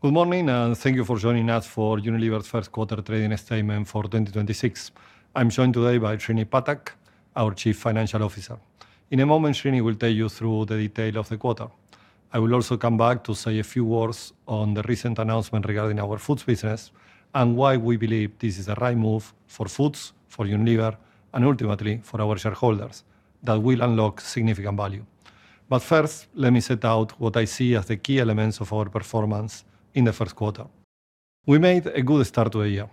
Good morning, and thank you for joining us for Unilever's first quarter trading statement for 2026. I'm joined today by Srini Phatak, our Chief Financial Officer. In a moment, Srini will take you through the detail of the quarter. I will also come back to say a few words on the recent announcement regarding our Foods business and why we believe this is the right move for Foods, for Unilever, and ultimately for our shareholders that will unlock significant value. First, let me set out what I see as the key elements of our performance in the first quarter. We made a good start to a year.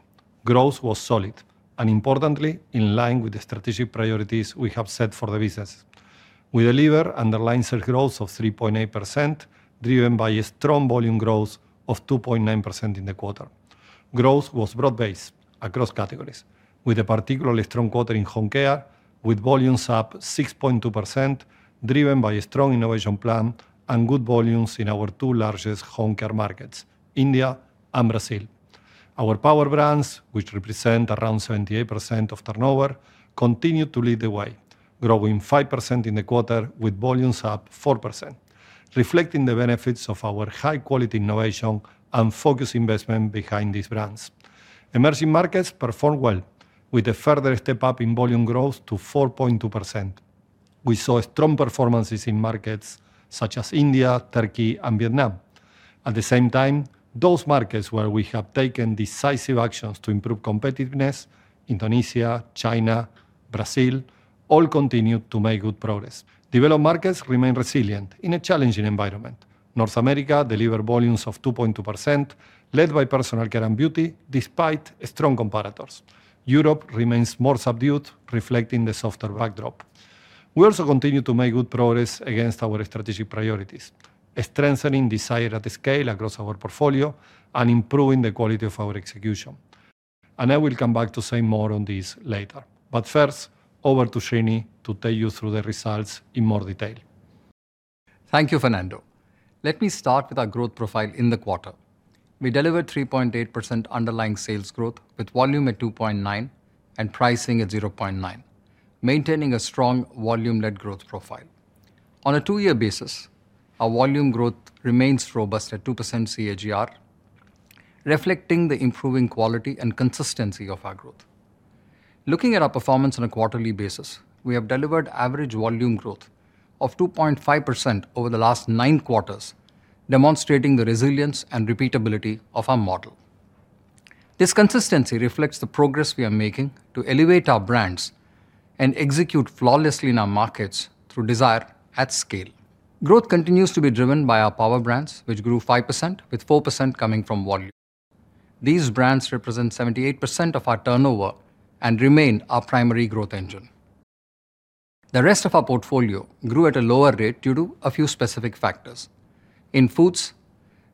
Growth was solid, and importantly, in line with the strategic priorities we have set for the business. We deliver underlying sales growth of 3.8%, driven by a strong volume growth of 2.9% in the quarter. Growth was broad based across categories with a particularly strong quarter in Home Care with volumes up 6.2% driven by a strong innovation plan and good volumes in our two largest Home Care markets, India and Brazil. Our Power Brands, which represent around 78% of turnover, continue to lead the way, growing 5% in the quarter with volumes up 4%, reflecting the benefits of our high quality innovation and focused investment behind these brands. Emerging markets perform well with a further step up in volume growth to 4.2%. We saw strong performances in markets such as India, Turkey, and Vietnam. At the same time, those markets where we have taken decisive actions to improve competitiveness, Indonesia, China, Brazil, all continue to make good progress. Developed markets remain resilient in a challenging environment. North America delivered volumes of 2.2%, led by Personal Care and Beauty despite strong competitors. Europe remains more subdued, reflecting the softer backdrop. We also continue to make good progress against our strategic priorities, strengthening Desire at Scale across our portfolio and improving the quality of our execution. I will come back to say more on this later. First, over to Srini to take you through the results in more detail. Thank you, Fernando. Let me start with our growth profile in the quarter. We delivered 3.8% underlying sales growth with volume at 2.9% and pricing at 0.9%, maintaining a strong volume-led growth profile. On a two year basis, our volume growth remains robust at 2% CAGR, reflecting the improving quality and consistency of our growth. Looking at our performance on a quarterly basis, we have delivered average volume growth of 2.5% over the last nine quarters, demonstrating the resilience and repeatability of our model. This consistency reflects the progress we are making to elevate our brands and execute flawlessly in our markets through Desire at Scale. Growth continues to be driven by our Power Brands, which grew 5% with 4% coming from volume. These brands represent 78% of our turnover and remain our primary growth engine. The rest of our portfolio grew at a lower rate due to a few specific factors. In Foods,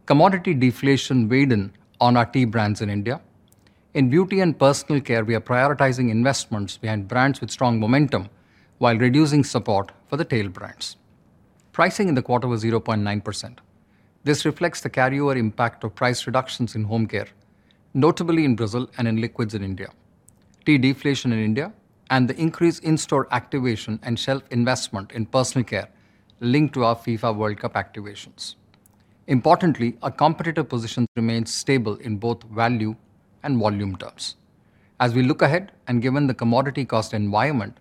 commodity deflation weighed in on our tea brands in India. In Beauty and Personal Care, we are prioritizing investments behind brands with strong momentum while reducing support for the tail brands. Pricing in the quarter was 0.9%. This reflects the carryover impact of price reductions in Home Care, notably in Brazil and in liquids in India. Tea deflation in India and the increased in-store activation and shelf investment in Personal Care linked to our FIFA World Cup activations. Importantly, our competitive positions remain stable in both value and volume terms. As we look ahead and given the commodity cost environment,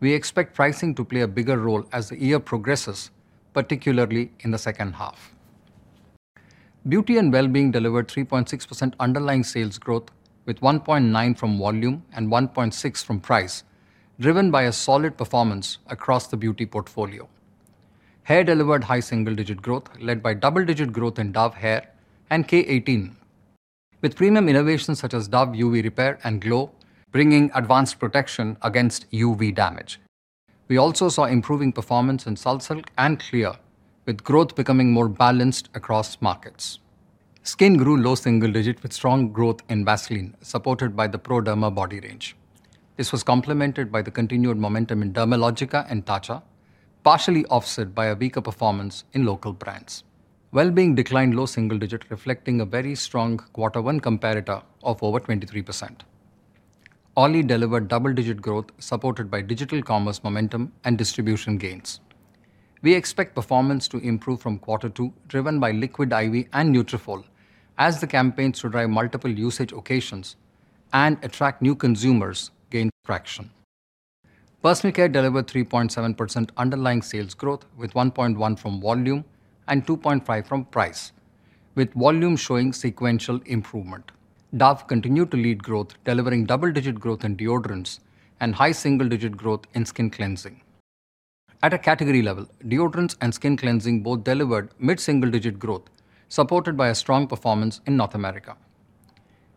we expect pricing to play a bigger role as the year progresses, particularly in the second half. Beauty & Wellbeing delivered 3.6% underlying sales growth with 1.9% from volume and 1.6% from price driven by a solid performance across the Beauty portfolio. Hair delivered high single-digit growth led by double-digit growth in Dove Hair and K18. With premium innovations such as Dove UV Repair & Glow bringing advanced protection against UV damage. We also saw improving performance in Sunsilk and Clear with growth becoming more balanced across markets. Skin grew low single-digit with strong growth in Vaseline supported by the Pro Derma body range. This was complemented by the continued momentum in Dermalogica and Tatcha, partially offset by a weaker performance in local brands. Wellbeing declined low single-digit reflecting a very strong quarter one comparator of over 23%. OLLY delivered double-digit growth supported by digital commerce momentum and distribution gains. We expect performance to improve from Q2 driven by Liquid I.V. and Nutrafol as the campaigns to drive multiple usage occasions and attract new consumers gain traction. Personal Care delivered 3.7% underlying sales growth with 1.1% from volume and 2.5% from price, with volume showing sequential improvement. Dove continued to lead growth delivering double-digit growth in deodorants and high single-digit growth in skin cleansing. At a category level, deodorants and skin cleansing both delivered mid single-digit growth supported by a strong performance in North America.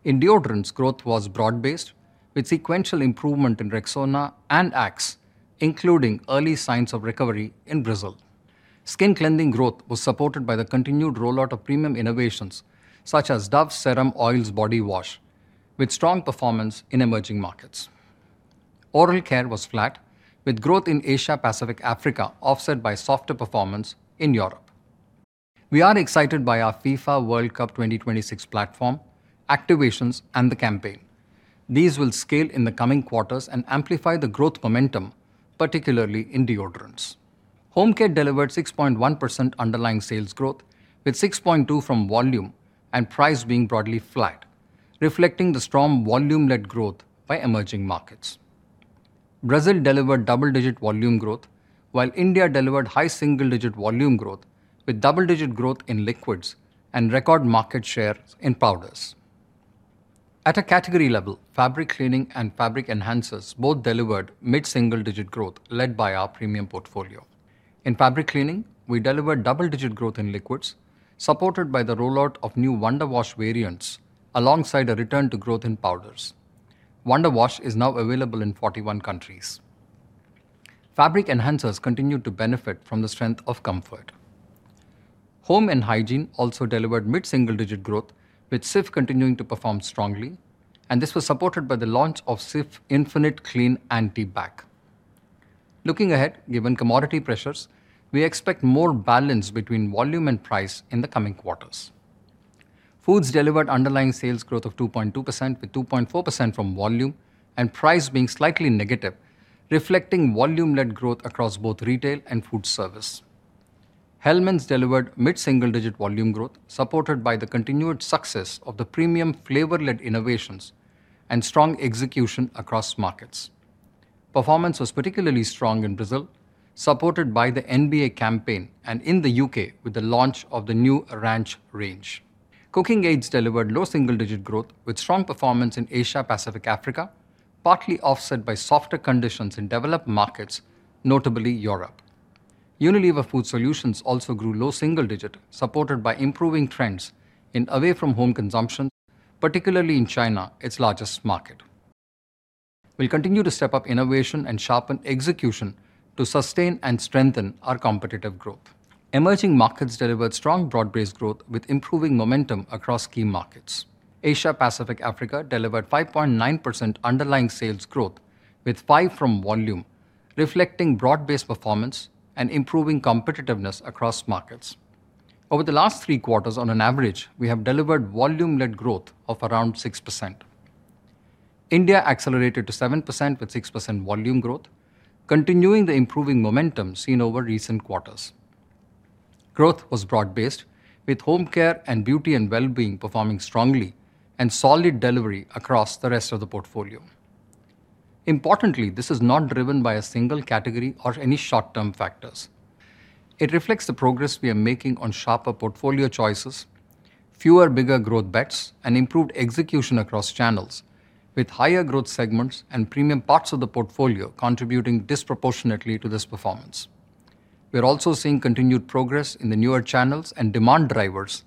In deodorants, growth was broad-based with sequential improvement in Rexona and Axe, including early signs of recovery in Brazil. Skin cleansing growth was supported by the continued rollout of premium innovations such as Dove Serum+ Oil Body Wash with strong performance in emerging markets. Oral care was flat with growth in Asia Pacific Africa offset by softer performance in Europe. We are excited by our FIFA World Cup 2026 platform activations and the campaign. These will scale in the coming quarters and amplify the growth momentum, particularly in deodorants. Home Care delivered 6.1% underlying sales growth, with 6.2% from volume and price being broadly flat, reflecting the strong volume-led growth by emerging markets. Brazil delivered double-digit volume growth, while India delivered high single-digit volume growth, with double-digit growth in liquids and record market share in powders. At a category level, fabric cleaning and fabric enhancers both delivered mid single digit growth led by our premium portfolio. In fabric cleaning, we delivered double-digit growth in liquids, supported by the rollout of new Wonder Wash variants alongside a return to growth in powders. Wonder Wash is now available in 41 countries. Fabric enhancers continued to benefit from the strength of Comfort. Home and hygiene also delivered mid single-digit growth, with Cif continuing to perform strongly, and this was supported by the launch of Cif Infinite Clean Anti-Bac. Looking ahead, given commodity pressures, we expect more balance between volume and price in the coming quarters. Foods delivered Underlying Sales Growth of 2.2%, with 2.4% from volume and price being slightly negative, reflecting volume-led growth across both retail and foodservice. Hellmann's delivered mid single-digit volume growth, supported by the continued success of the premium flavor-led innovations and strong execution across markets. Performance was particularly strong in Brazil, supported by the NBA campaign, and in the U.K. with the launch of the new Ranch range. Cooking aids delivered low single-digit growth with strong performance in Asia Pacific Africa, partly offset by softer conditions in developed markets, notably Europe. Unilever Food Solutions also grew low single-digit, supported by improving trends in away-from-home consumption, particularly in China, its largest market. We'll continue to step up innovation and sharpen execution to sustain and strengthen our competitive growth. Emerging markets delivered strong broad-based growth with improving momentum across key markets. Asia Pacific Africa delivered 5.9% underlying sales growth with 5% from volume, reflecting broad-based performance and improving competitiveness across markets. Over the last three quarters on an average, we have delivered volume-led growth of around 6%. India accelerated to 7% with 6% volume growth, continuing the improving momentum seen over recent quarters. Growth was broad-based with Home Care and Beauty & Wellbeing performing strongly and solid delivery across the rest of the portfolio. This is not driven by a single category or any short-term factors. It reflects the progress we are making on sharper portfolio choices, fewer bigger growth bets, and improved execution across channels with higher growth segments and premium parts of the portfolio contributing disproportionately to this performance. We are also seeing continued progress in the newer channels and demand drivers,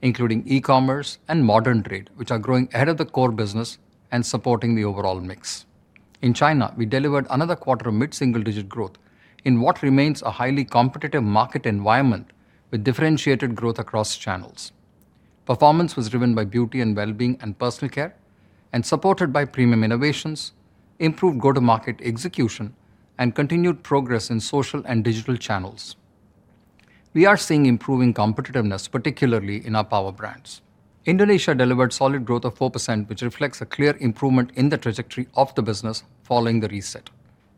including e-commerce and modern trade, which are growing ahead of the core business and supporting the overall mix. In China, we delivered another quarter of mid single-digit growth in what remains a highly competitive market environment with differentiated growth across channels. Performance was driven by Beauty & Wellbeing and Personal Care, and supported by premium innovations, improved go-to-market execution, and continued progress in social and digital channels. We are seeing improving competitiveness, particularly in our Power Brands. Indonesia delivered solid growth of 4%, which reflects a clear improvement in the trajectory of the business following the reset.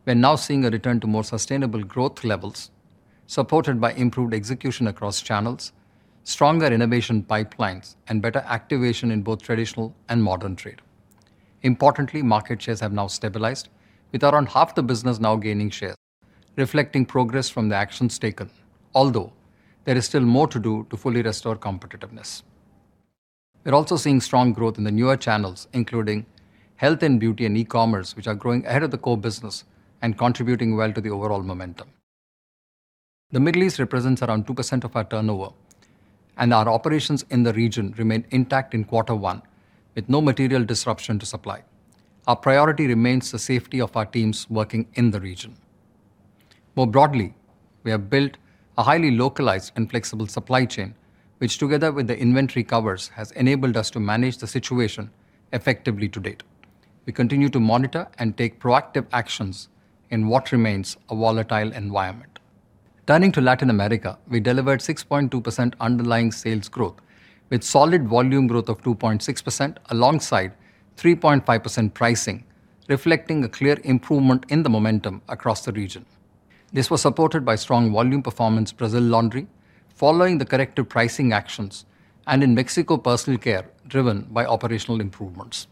We are now seeing a return to more sustainable growth levels, supported by improved execution across channels, stronger innovation pipelines, and better activation in both traditional and modern trade. Importantly, market shares have now stabilized with around half the business now gaining share, reflecting progress from the actions taken. There is still more to do to fully restore competitiveness. We're also seeing strong growth in the newer channels, including health and beauty and e-commerce, which are growing ahead of the core business and contributing well to the overall momentum. The Middle East represents around 2% of our turnover, and our operations in the region remain intact in quarter one, with no material disruption to supply. Our priority remains the safety of our teams working in the region. More broadly, we have built a highly localized and flexible supply chain, which together with the inventory covers, has enabled us to manage the situation effectively to date. We continue to monitor and take proactive actions in what remains a volatile environment. Turning to Latin America, we delivered 6.2% underlying sales growth with solid volume growth of 2.6% alongside 3.5% pricing, reflecting a clear improvement in the momentum across the region. This was supported by strong volume performance Brazil laundry following the corrective pricing actions, and in Mexico Personal Care driven by operational improvements.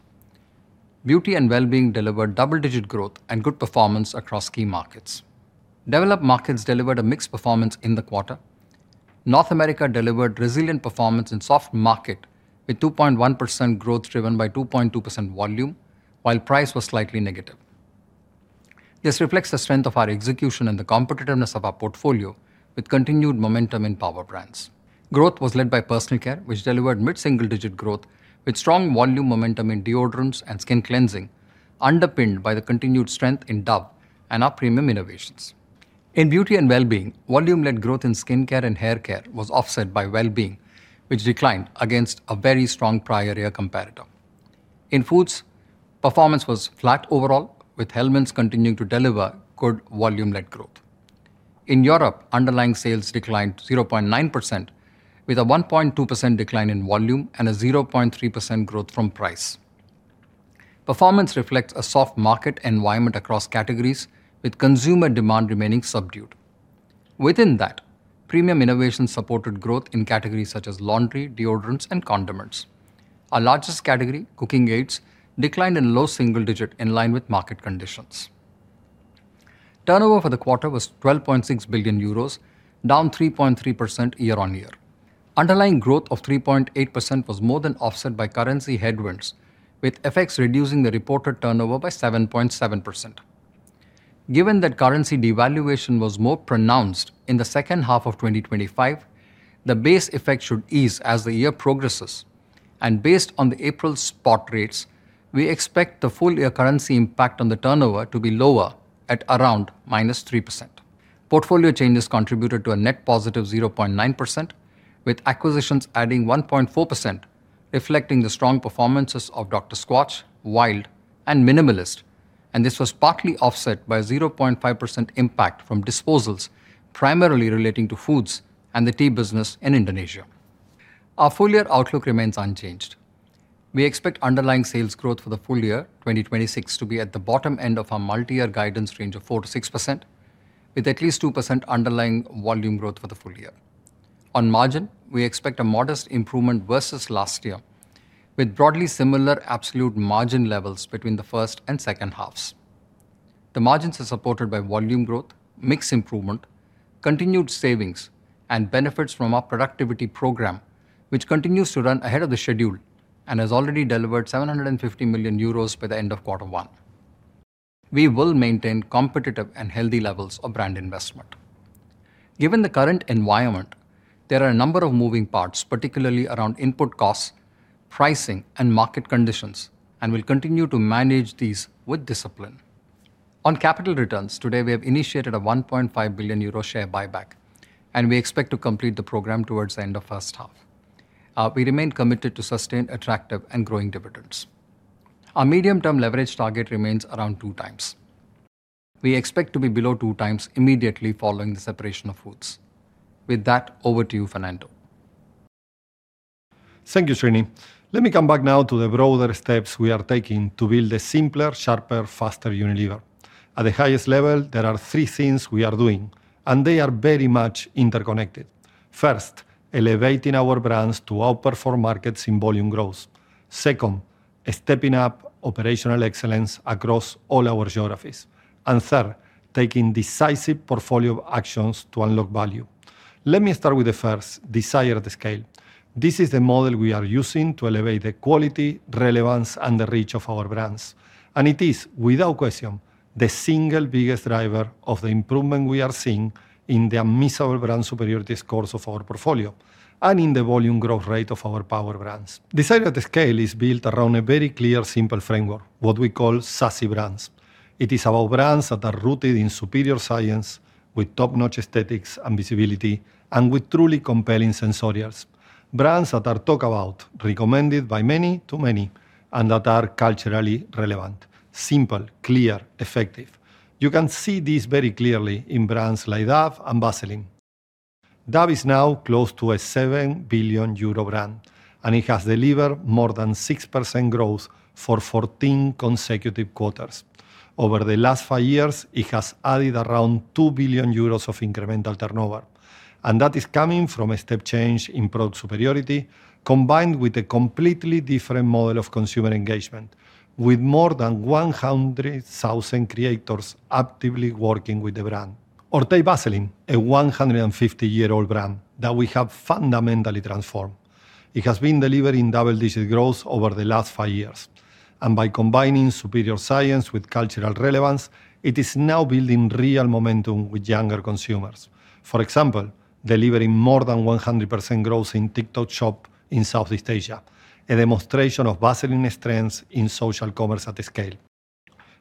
Beauty & Wellbeing delivered double-digit growth and good performance across key markets. Developed markets delivered a mixed performance in the quarter. North America delivered resilient performance in soft market with 2.1% growth driven by 2.2% volume, while price was slightly negative. This reflects the strength of our execution and the competitiveness of our portfolio with continued momentum in Power Brands. Growth was led by Personal Care, which delivered mid-single-digit growth with strong volume momentum in deodorants and skin cleansing, underpinned by the continued strength in Dove and our premium innovations. In Beauty & Wellbeing, volume-led growth in skincare and haircare was offset by Wellbeing, which declined against a very strong prior year comparator. In Foods, performance was flat overall, with Hellmann's continuing to deliver good volume-led growth. In Europe, underlying sales declined to 0.9% with a 1.2% decline in volume and a 0.3% growth from price. Performance reflects a soft market environment across categories with consumer demand remaining subdued. Within that, premium innovation supported growth in categories such as laundry, deodorants, and condiments. Our largest category, cooking aids, declined in low single-digit in line with market conditions. Turnover for the quarter was 12.6 billion euros, down 3.3% year-on-year. Underlying growth of 3.8% was more than offset by currency headwinds, with FX reducing the reported turnover by 7.7%. Given that currency devaluation was more pronounced in the second half of 2025, the base effect should ease as the year progresses. Based on the April spot rates, we expect the full year currency impact on the turnover to be lower at around minus 3%. Portfolio changes contributed to a net positive 0.9%, with acquisitions adding 1.4% reflecting the strong performances of Dr. Squatch, Wild, and Minimalist, and this was partly offset by a 0.5% impact from disposals primarily relating to foods and the tea business in Indonesia. Our full year outlook remains unchanged. We expect underlying sales growth for the full year 2026 to be at the bottom end of our multiyear guidance range of 4%-6%, with at least 2% underlying volume growth for the full year. On margin, we expect a modest improvement versus last year, with broadly similar absolute margin levels between the first and second halves. The margins are supported by volume growth, mix improvement, continued savings, and benefits from our productivity program, which continues to run ahead of the schedule and has already delivered 750 million euros by the end of quarter one. We will maintain competitive and healthy levels of brand investment. Given the current environment, there are a number of moving parts, particularly around input costs, pricing, and market conditions, and we'll continue to manage these with discipline. On capital returns, today we have initiated a 1.5 billion euro share buyback, and we expect to complete the program towards the end of first half. We remain committed to sustain attractive and growing dividends. Our medium-term leverage target remains around 2x. We expect to be below 2x immediately following the separation of Foods. With that, over to you, Fernando. Thank you, Srini. Let me come back now to the broader steps we are taking to build a simpler, sharper, faster Unilever. At the highest level, there are three things we are doing, and they are very much interconnected. First, elevating our brands to outperform markets in volume growth. Second, stepping up operational excellence across all our geographies. Third, taking decisive portfolio actions to unlock value. Let me start with the first, Desire at Scale. This is the model we are using to elevate the quality, relevance, and the reach of our brands, and it is, without question, the single biggest driver of the improvement we are seeing in the unmissable brand superior discourse of our portfolio and in the volume growth rate of our Power Brands. Desire at Scale is built around a very clear, simple framework, what we call SASSY brands. It is about brands that are rooted in superior science with top-notch aesthetics and visibility and with truly compelling sensorials. Brands that are talked about, recommended by many to many, and that are culturally relevant, simple, clear, effective. You can see this very clearly in brands like Dove and Vaseline. Dove is now close to a 7 billion euro brand, and it has delivered more than 6% growth for 14 consecutive quarters. Over the last five years, it has added around 2 billion euros of incremental turnover, and that is coming from a step change in product superiority combined with a completely different model of consumer engagement, with more than 100,000 creators actively working with the brand. Or take Vaseline, a 150 year old brand that we have fundamentally transformed. It has been delivering double-digit growth over the last five years. By combining superior science with cultural relevance, it is now building real momentum with younger consumers. For example, delivering more than 100% growth in TikTok Shop in Southeast Asia, a demonstration of Vaseline strength in social commerce at scale.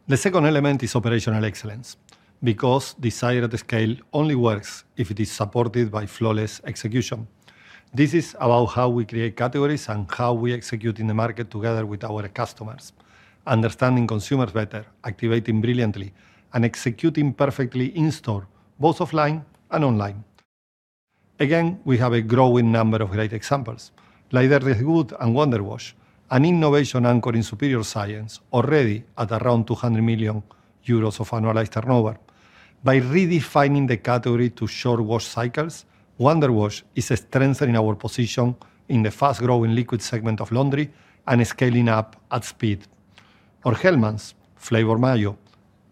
The second element is operational excellence because Desire at Scale only works if it is supported by flawless execution. This is about how we create categories and how we execute in the market together with our customers, understanding consumers better, activating brilliantly, and executing perfectly in store, both offline and online. Again, we have a growing number of great examples like [inaudible] and Wonder Wash, an innovation anchored in superior science already at around 200 million euros of annualized turnover. By redefining the category to short wash cycles, Wonder Wash is strengthening our position in the fast-growing liquid segment of laundry and scaling up at speed. Hellmann's flavored mayo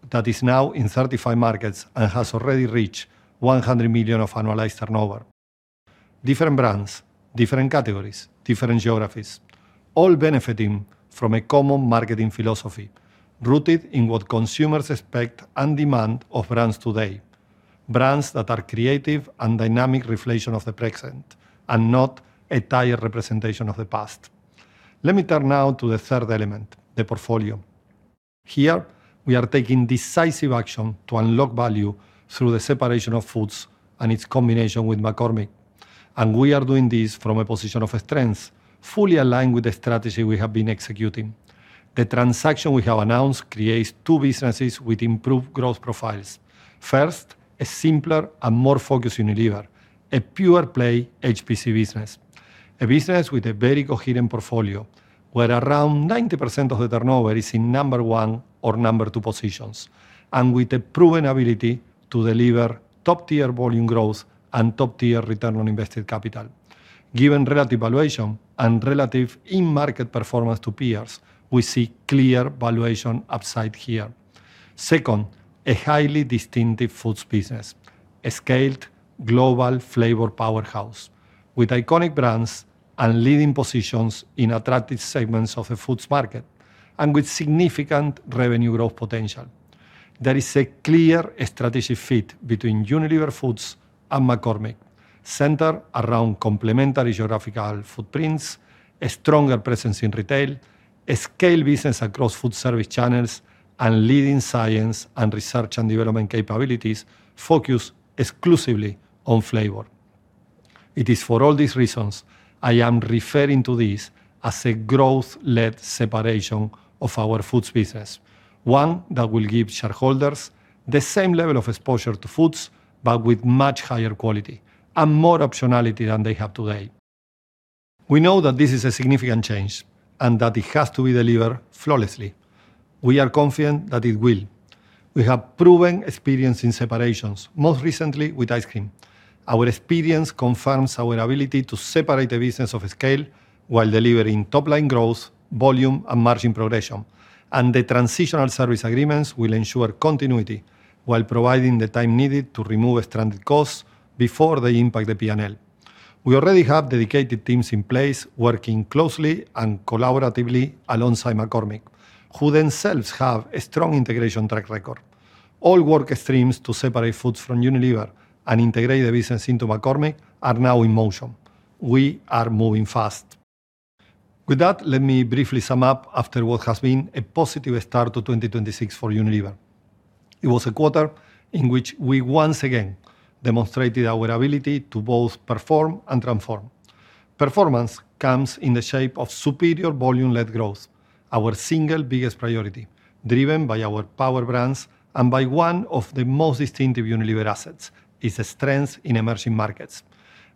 that is now in 35 markets and has already reached 100 million of annualized turnover. Different brands, different categories, different geographies, all benefiting from a common marketing philosophy rooted in what consumers expect and demand of brands today, brands that are creative and dynamic reflection of the present and not a tired representation of the past. Let me turn now to the third element, the portfolio. Here we are taking decisive action to unlock value through the separation of Foods and its combination with McCormick. We are doing this from a position of strength, fully aligned with the strategy we have been executing. The transaction we have announced creates two businesses with improved growth profiles. First, a simpler and more focused Unilever, a pure-play HPC business, a business with a very coherent portfolio, where around 90% of the turnover is in number one or number two positions, and with a proven ability to deliver top-tier volume growth and top-tier return on invested capital. Given relative valuation and relative in-market performance to peers, we see clear valuation upside here. Second, a highly distinctive Foods business, a scaled global flavor powerhouse with iconic brands and leading positions in attractive segments of the Foods market and with significant revenue growth potential. There is a clear strategic fit between Unilever Foods and McCormick, centered around complementary geographical footprints, a stronger presence in retail, a scaled business across food service channels, and leading science and research and development capabilities focused exclusively on flavor. It is for all these reasons I am referring to this as a growth-led separation of our Foods business, one that will give shareholders the same level of exposure to Foods, but with much higher quality and more optionality than they have today. We know that this is a significant change and that it has to be delivered flawlessly, we are confident that it will. We have proven experience in separations, most recently with ice cream. Our experience confirms our ability to separate a business of scale while delivering top-line growth, volume, and margin progression. The transitional service agreements will ensure continuity while providing the time needed to remove stranded costs before they impact the P&L. We already have dedicated teams in place working closely and collaboratively alongside McCormick, who themselves have a strong integration track record. All work streams to separate Foods from Unilever and integrate the business into McCormick are now in motion, we are moving fast. With that, let me briefly sum up after what has been a positive start to 2026 for Unilever. It was a quarter in which we once again demonstrated our ability to both perform and transform. Performance comes in the shape of superior volume-led growth, our single biggest priority, driven by our Power Brands and by one of the most distinctive Unilever assets, its strength in emerging markets.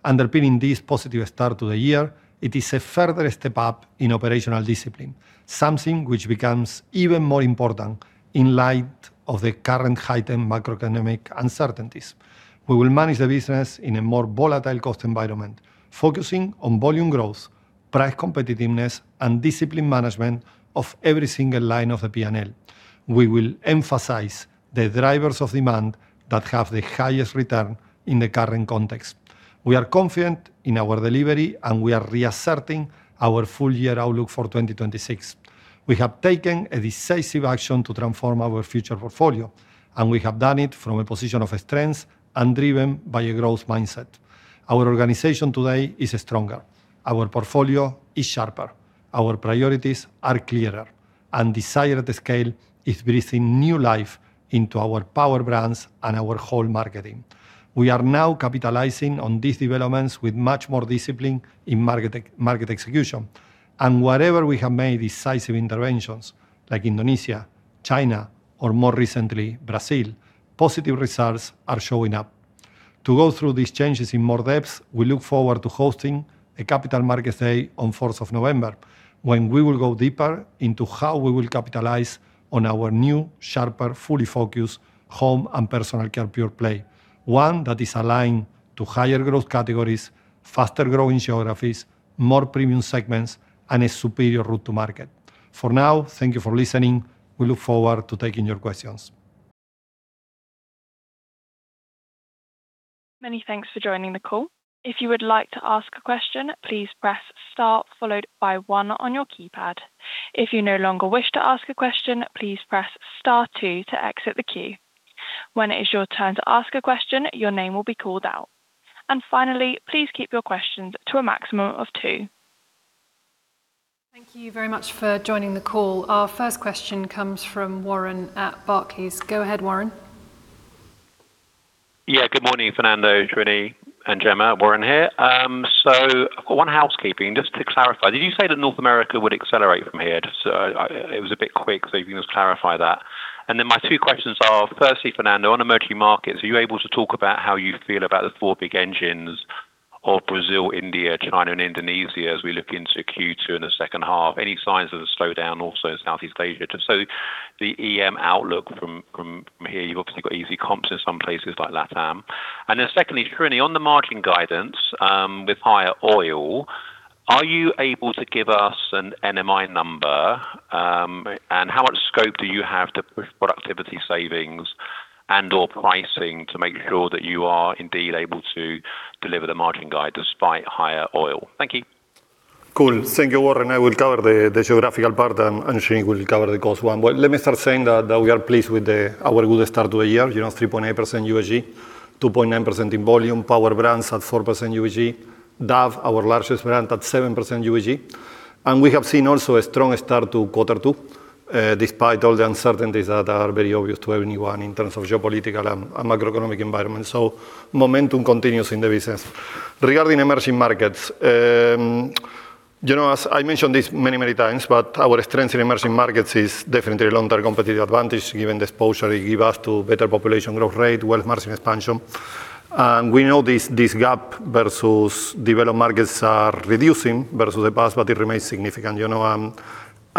Underpinning this positive start to the year, it is a further step up in operational discipline, something which becomes even more important in light of the current heightened macroeconomic uncertainties. We will manage the business in a more volatile cost environment, focusing on volume growth, price competitiveness, and discipline management of every single line of the P&L. We will emphasize the drivers of demand that have the highest return in the current context. We are confident in our delivery, we are reasserting our full year outlook for 2026. We have taken a decisive action to transform our future portfolio, and we have done it from a position of strength and driven by a growth mindset. Our organization today is stronger. Our portfolio is sharper. Our priorities are clearer. Desire at Scale is breathing new life into our Power Brands and our whole marketing. We are now capitalizing on these developments with much more discipline in market execution. Wherever we have made decisive interventions, like Indonesia, China, or more recently, Brazil, positive results are showing up. To go through these changes in more depth, we look forward to hosting a Capital Markets Day on November 4th, when we will go deeper into how we will capitalize on our new, sharper, fully focused home and Personal Care pure play, one that is aligned to higher growth categories, faster-growing geographies, more premium segments, and a superior route to market. For now, thank you for listening. We look forward to taking your questions. Many thanks for joining the call. If you would like to ask a question, please press star followed by one on your keypad. If you no longer wish to ask a question, please press star two to exit the queue. When it is your turn to ask a question, your name will be called out. And finally, please keep your questions to a maximum of two. Thank you very much for joining the call. Our first question comes from Warren at Barclays. Go ahead, Warren. Yeah. Good morning, Fernando, Srini, and Jemma. Warren here. I've got one housekeeping just to clarify. Did you say that North America would accelerate from here? Just, it was a bit quick, if you can just clarify that. My two questions are, firstly, Fernando, on emerging markets, are you able to talk about how you feel about the four big engines of Brazil, India, China, and Indonesia as we look into Q2 in the second half? Any signs of a slowdown also in Southeast Asia? The EM outlook from here, you've obviously got easy comps in some places like LATAM. Secondly, Srini, on the margin guidance, with higher oil, are you able to give us an NMI number? How much scope do you have to push productivity savings and/or pricing to make sure that you are indeed able to deliver the margin guide despite higher oil? Thank you. Cool. Thank you, Warren. I will cover the geographical part and Srini will cover the cost one. Well, let me start saying that we are pleased with our good start to the year, you know, 3.8% USG, 2.9% in volume, Power Brands at 4% USG, Dove, our largest brand, at 7% USG. We have seen also a strong start to quarter two despite all the uncertainties that are very obvious to everyone in terms of geopolitical and macroeconomic environment. Momentum continues in the business. Regarding emerging markets, you know, as I mentioned this many times, our strength in emerging markets is definitely a long-term competitive advantage given the exposure they give us to better population growth rate, wealth maximum expansion. We know this gap versus developed markets are reducing versus the past, but it remains significant, you know.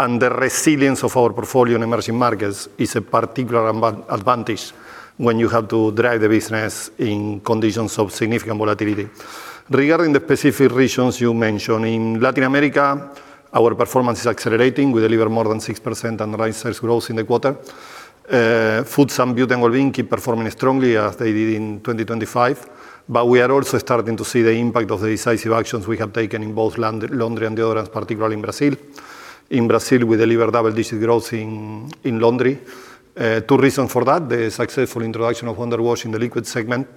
The resilience of our portfolio in emerging markets is a particular advantage when you have to drive the business in conditions of significant volatility. Regarding the specific regions you mentioned, in Latin America, our performance is accelerating. We deliver more than 6% underlying sales growth in the quarter. Foods and Beauty & Wellbeing keep performing strongly as they did in 2025. We are also starting to see the impact of the decisive actions we have taken in both laundry and deodorants, particularly in Brazil. In Brazil, we deliver double-digit growth in laundry. Two reasons for that, the successful introduction of Wonder Wash in the liquids segment,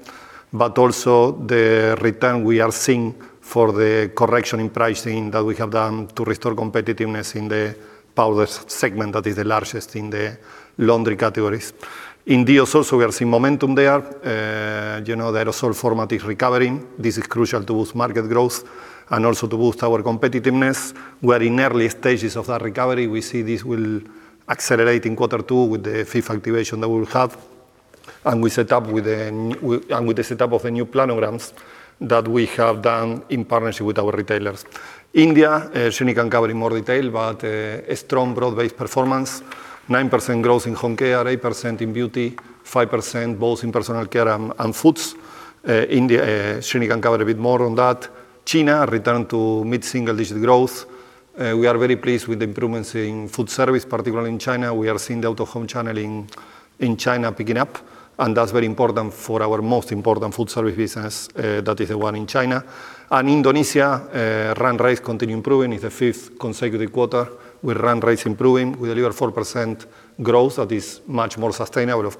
but also the return we are seeing for the correction in pricing that we have done to restore competitiveness in the powder segment, that is the largest in the laundry categories. In deos also we are seeing momentum there. You know, the aerosol format is recovering. This is crucial to boost market growth and also to boost our competitiveness. We are in early stages of that recovery. We see this will accelerate in Q2 with the FIFA activitation that we will have, and with the setup of a new planograms that we have done in partnership with our retailers. India, Srini can cover in more detail, but a strong broad-based performance. 9% growth in Home Care, 8% in Beauty, 5% both in Personal Care and Foods. India, Srini can cover a bit more on that. China return to mid single digit growth. We are very pleased with the improvements in food service, particularly in China. We are seeing the out-of-home channel in China picking up, that's very important for our most important food service business, that is the one in China. Indonesia, run rates continue improving. It's the fifth consecutive quarter with run rates improving. We deliver 4% growth. That is much more sustainable.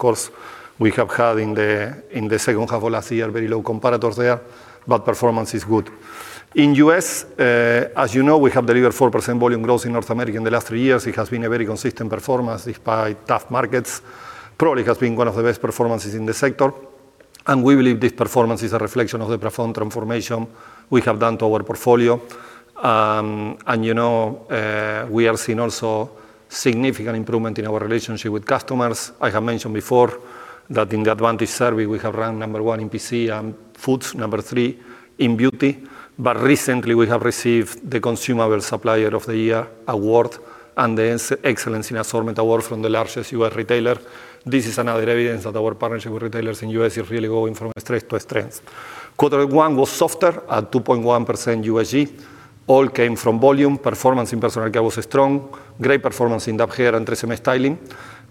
We have had in the second half of last year very low comparators there, performance is good. In U.S., as you know, we have delivered 4% volume growth in North America in the last three years. It has been a very consistent performance despite tough markets. Probably has been one of the best performances in the sector, we believe this performance is a reflection of the profound transformation we have done to our portfolio. You know, we are seeing also significant improvement in our relationship with customers. I have mentioned before that in the Advantage survey, we have ranked number one in PC, Foods number three, in Beauty, recently we have received the Consumable Supplier of the Year award and the Excellence in Assortment award from the largest U.S. retailer. This is another evidence that our partnership with retailers in U.S. is really going from strength to strength. Quarter one was softer at 2.1% USG. All came from volume. Performance in Personal Care was strong, great performance in Dove Hair and TRESemmé styling.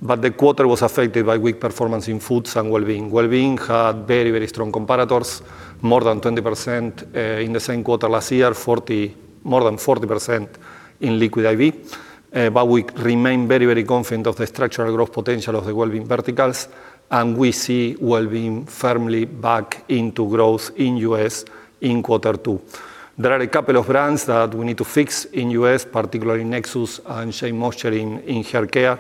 The quarter was affected by weak performance in Foods and Wellbeing. Wellbeing had very, very strong comparators, more than 20% in the same quarter last year, more than 40% in Liquid I.V. We remain very, very confident of the structural growth potential of the Wellbeing verticals, and we see Wellbeing firmly back into growth in U.S. in quarter two. There are a couple of brands that we need to fix in U.S., particularly Nexxus and SheaMoisture in Hair Care,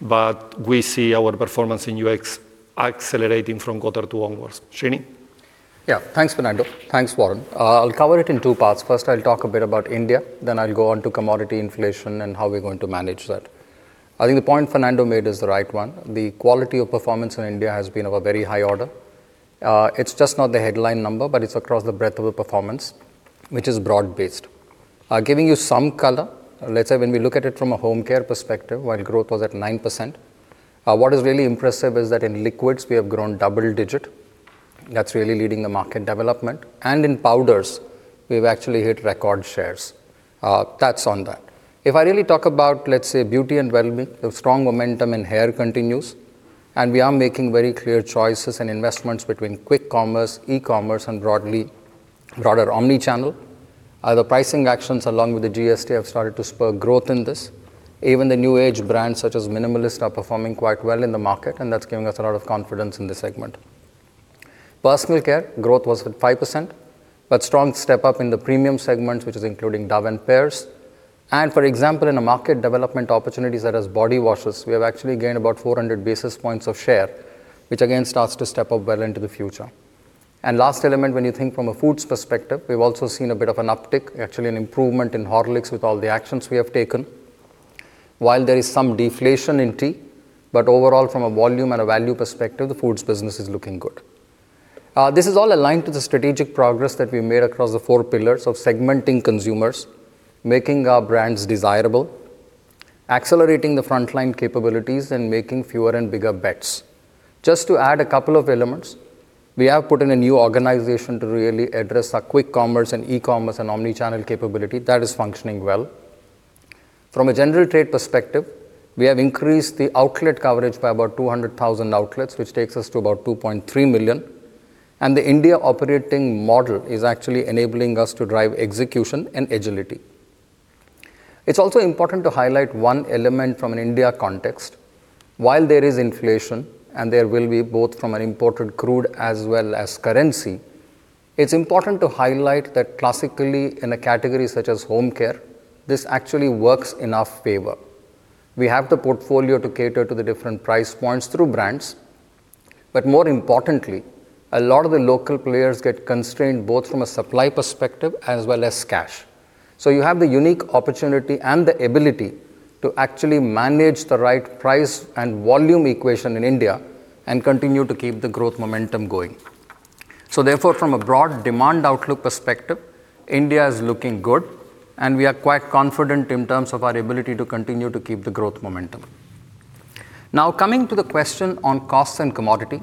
but we see our performance in U.S. accelerating from quarter two onwards. Srini? Yeah. Thanks, Fernando. Thanks, Warren. I'll cover it in two parts. First, I'll talk a bit about India, then I'll go on to commodity inflation and how we're going to manage that. I think the point Fernando made is the right one. The quality of performance in India has been of a very high order. It's just not the headline number, but it's across the breadth of the performance, which is broad-based. Giving you some color, let's say when we look at it from a Home Care perspective, while growth was at 9%, what is really impressive is that in liquids we have grown double-digit. That's really leading the market development. In powders, we've actually hit record shares. That's on that. If I really talk about, let's say, Beauty & Wellbeing, the strong momentum in hair continues, we are making very clear choices in investments between quick commerce, e-commerce and broadly broader omnichannel. The pricing actions along with the GST have started to spur growth in this. Even the new age brands such as Minimalist are performing quite well in the market, that's giving us a lot of confidence in this segment. Personal Care growth was at 5%, strong step up in the premium segments, which is including Dove and Pears. For example, in the market development opportunities such as body washes, we have actually gained about 400 basis points of share, which again starts to step up well into the future. Last element, when you think from a Foods perspective, we've also seen a bit of an uptick, actually an improvement in Horlicks with all the actions we have taken. There is some deflation in tea. Overall, from a volume and a value perspective, the Foods business is looking good. This is all aligned to the strategic progress that we made across the four pillars of segmenting consumers, making our brands desirable, accelerating the frontline capabilities, and making fewer and bigger bets. To add a couple of elements, we have put in a new organization to really address our quick commerce and e-commerce and omnichannel capability. That is functioning well. From a general trade perspective, we have increased the outlet coverage by about 200,000 outlets, which takes us to about 2.3 million. The India operating model is actually enabling us to drive execution and agility. It's also important to highlight one element from an India context. While there is inflation, and there will be both from an imported crude as well as currency. It's important to highlight that classically in a category such as Home Care, this actually works in our favor. We have the portfolio to cater to the different price points through brands. More importantly, a lot of the local players get constrained both from a supply perspective as well as cash. You have the unique opportunity and the ability to actually manage the right price and volume equation in India and continue to keep the growth momentum going. Therefore, from a broad demand outlook perspective, India is looking good, and we are quite confident in terms of our ability to continue to keep the growth momentum. Coming to the question on cost and commodity,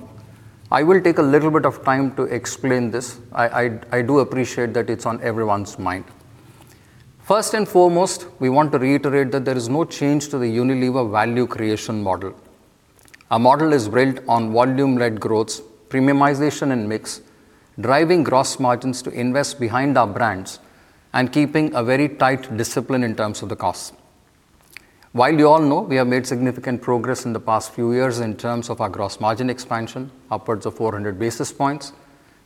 I will take a little bit of time to explain this. I do appreciate that it's on everyone's mind. First and foremost, we want to reiterate that there is no change to the Unilever value creation model. Our model is built on volume-led growth, premiumization and mix, driving gross margins to invest behind our brands, and keeping a very tight discipline in terms of the cost. While you all know we have made significant progress in the past few years in terms of our gross margin expansion, upwards of 400 basis points,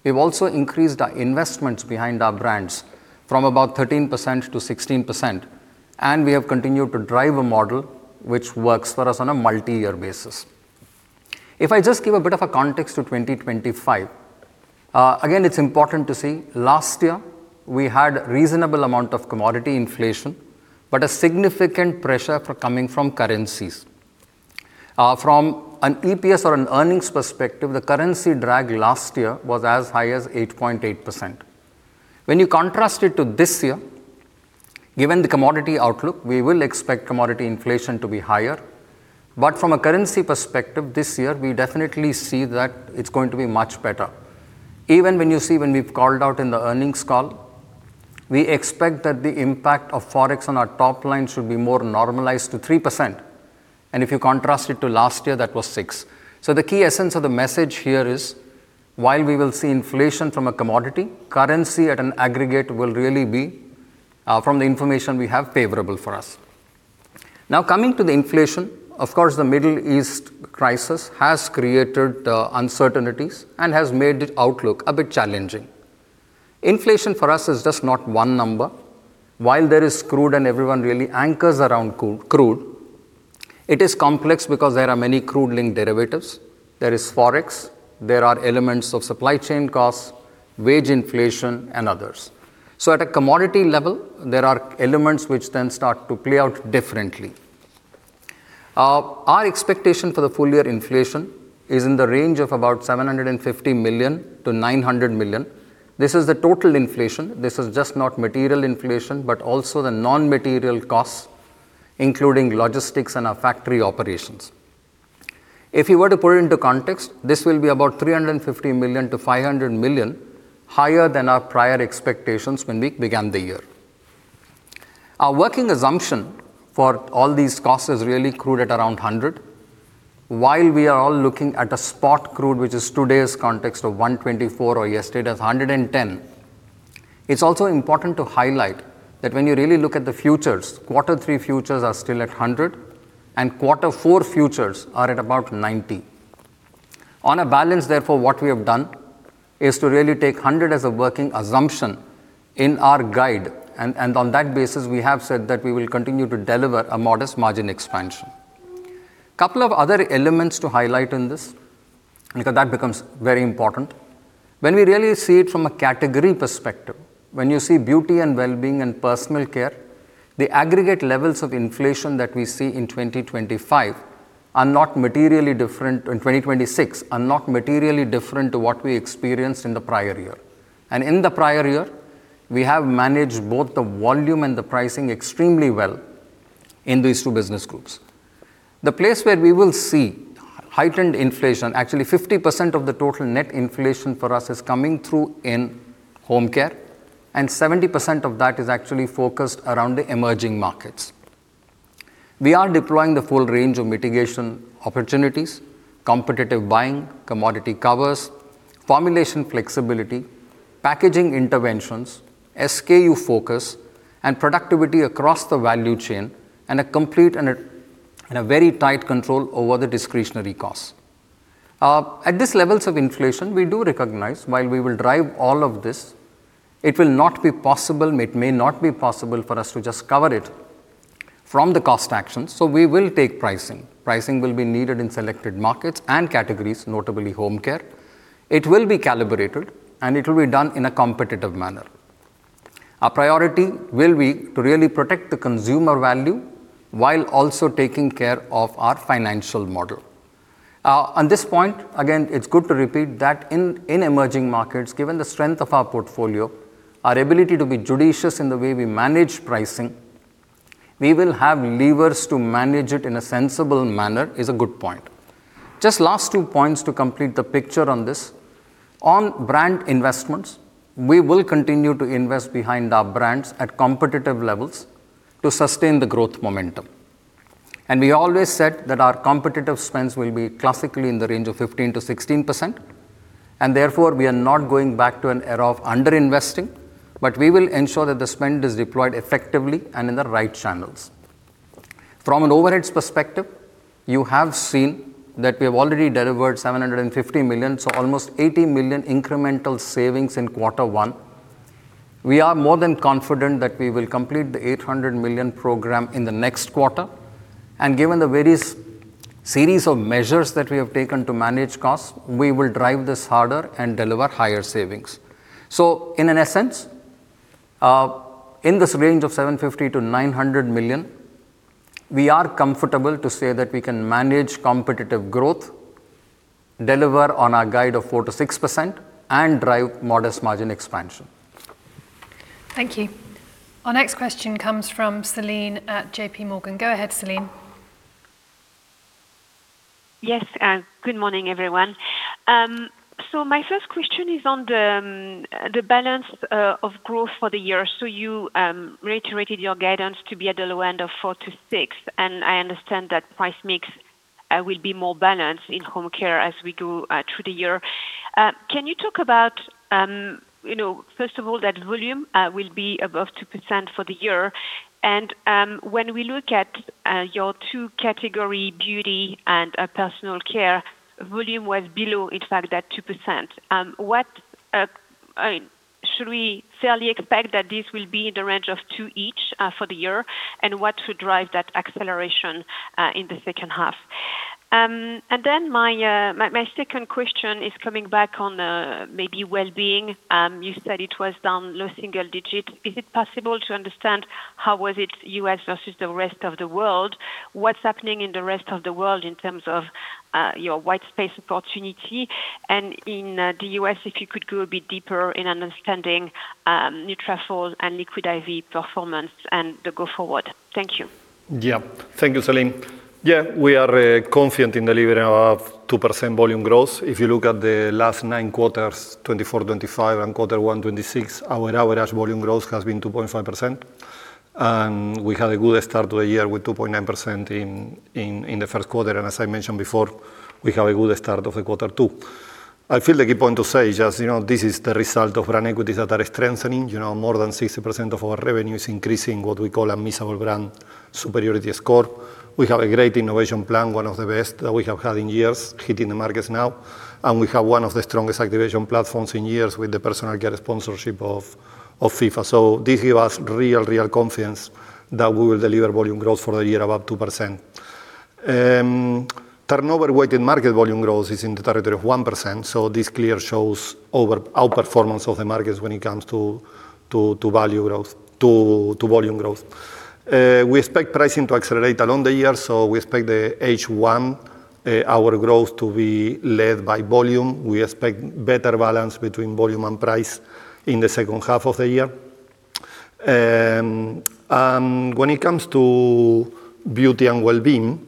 we've also increased our investments behind our brands from about 13%-16%, and we have continued to drive a model which works for us on a multi-year basis. If I just give a bit of a context to 2025, again, it's important to say last year we had reasonable amount of commodity inflation, but a significant pressure coming from currencies. From an EPS or an earnings perspective, the currency drag last year was as high as 8.8%. When you contrast it to this year, given the commodity outlook, we will expect commodity inflation to be higher. From a currency perspective this year, we definitely see that it's going to be much better. Even when you see when we've called out in the earnings call, we expect that the impact of Forex on our top line should be more normalized to 3%, and if you contrast it to last year, that was 6%. The key essence of the message here is while we will see inflation from a commodity, currency at an aggregate will really be from the information we have, favorable for us. Now, coming to the inflation, of course, the Middle East crisis has created uncertainties and has made the outlook a bit challenging. Inflation for us is just not one number. While there is crude and everyone really anchors around crude, it is complex because there are many crude linked derivatives. There is Forex, there are elements of supply chain costs, wage inflation, and others. At a commodity level, there are elements which start to play out differently. Our expectation for the full year inflation is in the range of about 750 million-900 million. This is the total inflation, this is just not material inflation, but also the non-material costs, including logistics and our factory operations. If you were to put it into context, this will be about 350 million-500 million higher than our prior expectations when we began the year. Our working assumption for all these costs is really crude at around 100. While we are all looking at a spot crude, which is today's context of 124 or yesterday's 110, it's also important to highlight that when you really look at the futures, Q3 futures are still at 100 and Q4 futures are at about 90. On a balance, therefore, what we have done is to really take 100 as a working assumption in our guide. On that basis, we have said that we will continue to deliver a modest margin expansion. Couple of other elements to highlight in this, because that becomes very important. When we really see it from a category perspective, when you see Beauty & Wellbeing and Personal Care, the aggregate levels of inflation that we see in 2026 are not materially different to what we experienced in the prior year. In the prior year, we have managed both the volume and the pricing extremely well in these two business groups. The place where we will see heightened inflation, actually 50% of the total net inflation for us is coming through in Home Care, and 70% of that is actually focused around the emerging markets. We are deploying the full range of mitigation opportunities, competitive buying, commodity covers, formulation flexibility, packaging interventions, SKU focus, and productivity across the value chain, and a complete and a very tight control over the discretionary costs. At these levels of inflation, we do recognize while we will drive all of this, it will not be possible, it may not be possible for us to just cover it from the cost actions, so we will take pricing. Pricing will be needed in selected markets and categories, notably Home Care. It will be calibrated. It will be done in a competitive manner. Our priority will be to really protect the consumer value while also taking care of our financial model. On this point, again, it's good to repeat that in emerging markets, given the strength of our portfolio, our ability to be judicious in the way we manage pricing, we will have levers to manage it in a sensible manner is a good point. Just last two points to complete the picture on this. On brand investments, we will continue to invest behind our brands at competitive levels to sustain the growth momentum. We always said that our competitive spends will be classically in the range of 15%-16%, and therefore, we are not going back to an era of under-investing, but we will ensure that the spend is deployed effectively and in the right channels. From an overheads perspective, you have seen that we have already delivered 750 million, so almost 80 million incremental savings in quarter one. We are more than confident that we will complete the 800 million program in the next quarter. Given the various series of measures that we have taken to manage costs, we will drive this harder and deliver higher savings. In essence, in this range of 750 million-900 million, we are comfortable to say that we can manage competitive growth, deliver on our guide of 4%-6%, and drive modest margin expansion. Thank you. Our next question comes from Celine at JPMorgan. Go ahead, Celine. Yes, good morning, everyone. My first question is on the balance of growth for the year. You reiterated your guidance to be at the low end of 4%-6%, and I understand that price mix will be more balanced in Home Care as we go through the year. Can you talk about, you know, first of all, that volume will be above 2% for the year? When we look at your two category Beauty and Personal Care, volume was below, in fact, that 2%. What, I mean, should we fairly expect that this will be in the range of 2% each for the year? What should drive that acceleration in the second half? My second question is coming back on maybe Wellbeing. You said it was down low single-digit. Is it possible to understand how was it U.S. versus the rest of the world? What's happening in the rest of the world in terms of your white space opportunity? In the U.S., if you could go a bit deeper in understanding Nutrafol and Liquid I.V. performance and the go forward. Thank you. Yeah. Thank you, Celine. We are confident in delivering above 2% volume growth. If you look at the last nine quarters, 2024, 2025, and quarter one, 2026, our average volume growth has been 2.5%. We had a good start to the year with 2.9% in the first quarter. As I mentioned before, we have a good start of the quarter two. I feel the key point to say is just, you know, this is the result of brand equities that are strengthening. You know, more than 60% of our revenue is increasing what we call a measurable brand superiority score. We have a great innovation plan, one of the best that we have had in years, hitting the markets now. We have one of the strongest activation platforms in years with the Personal Care sponsorship of FIFA. This give us real confidence that we will deliver volume growth for the year above 2%. Turnover-weighted market volume growth is in the territory of 1%. This clear shows outperformance of the markets when it comes to value growth, to volume growth. We expect pricing to accelerate along the year. We expect the H1 our growth to be led by volume. We expect better balance between volume and price in the second half of the year. When it comes to Beauty & Wellbeing,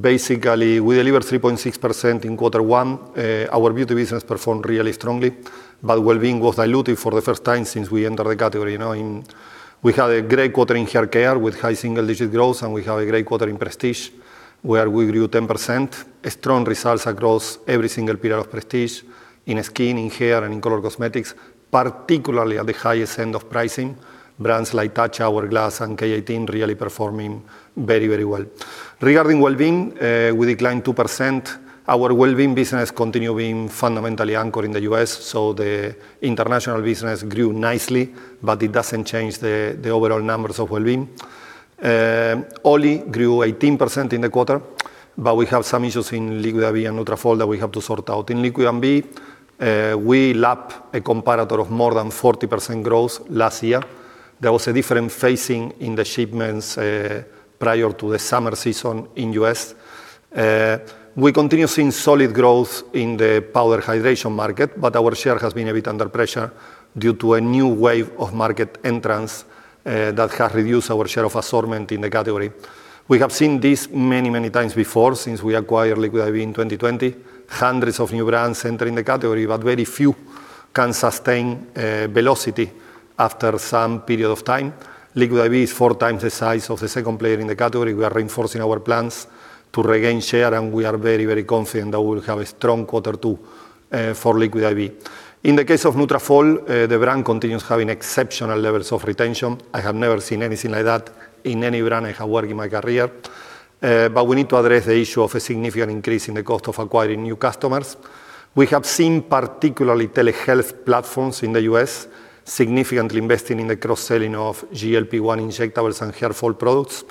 basically we delivered 3.6% in Q1. Our Beauty business performed really strongly, but wellbeing was dilutive for the first time since we entered the category. You know, we had a great quarter in haircare with high single-digit growth, and we have a great quarter in prestige, where we grew 10%. Strong results across every single period of prestige in skin, in hair, and in color cosmetics, particularly at the highest end of pricing. Brands like Tatcha, Hourglass, and K18 really performing very, very well. Regarding Wellbeing, we declined 2%. Our Wellbeing business continue being fundamentally anchored in the U.S., the international business grew nicely, but it doesn't change the overall numbers of Wellbeing. OLLY grew 18% in the quarter, we have some issues in Liquid I.V. and Nutrafol that we have to sort out. In Liquid I.V., we lapped a comparator of more than 40% growth last year. There was a different phasing in the shipments prior to the summer season in U.S. We continue seeing solid growth in the power hydration market, but our share has been a bit under pressure due to a new wave of market entrants that have reduced our share of assortment in the category. We have seen this many, many times before since we acquired Liquid I.V. in 2020. Hundreds of new brands enter in the category, but very few can sustain velocity after some period of time. Liquid I.V. is four times the size of the second player in the category. We are reinforcing our plans to regain share, we are very, very confident that we'll have a strong Q2 for Liquid I.V. In the case of Nutrafol, the brand continues having exceptional levels of retention. I have never seen anything like that in any brand I have worked in my career. We need to address the issue of a significant increase in the cost of acquiring new customers. We have seen particularly telehealth platforms in the U.S. significantly investing in the cross-selling of GLP-1 injectables and hair fall products,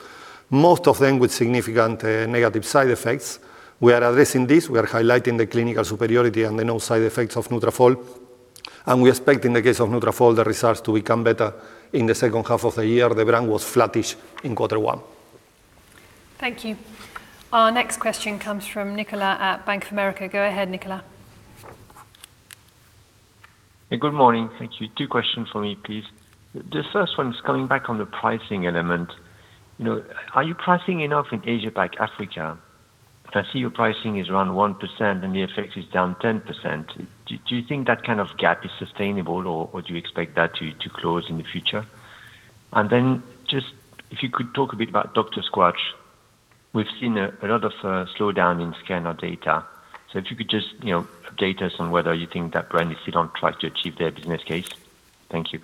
most of them with significant negative side effects. We are addressing this. We are highlighting the clinical superiority and the no side effects of Nutrafol, and we expect in the case of Nutrafol the results to become better in the second half of the year. The brand was flattish in quarter one. Thank you. Our next question comes from Nicolas at Bank of America. Go ahead, Nicolas. Good morning. Thank you. Two questions for me, please. The first one is coming back on the pricing element. You know, are you pricing enough in Asia, like Africa? I see your pricing is around 1% and the effect is down 10%. Do you think that kind of gap is sustainable or do you expect that to close in the future? Just if you could talk a bit about Dr. Squatch. We've seen a lot of slowdown in scanner data. If you could just, you know, update us on whether you think that brand is still on track to achieve their business case. Thank you.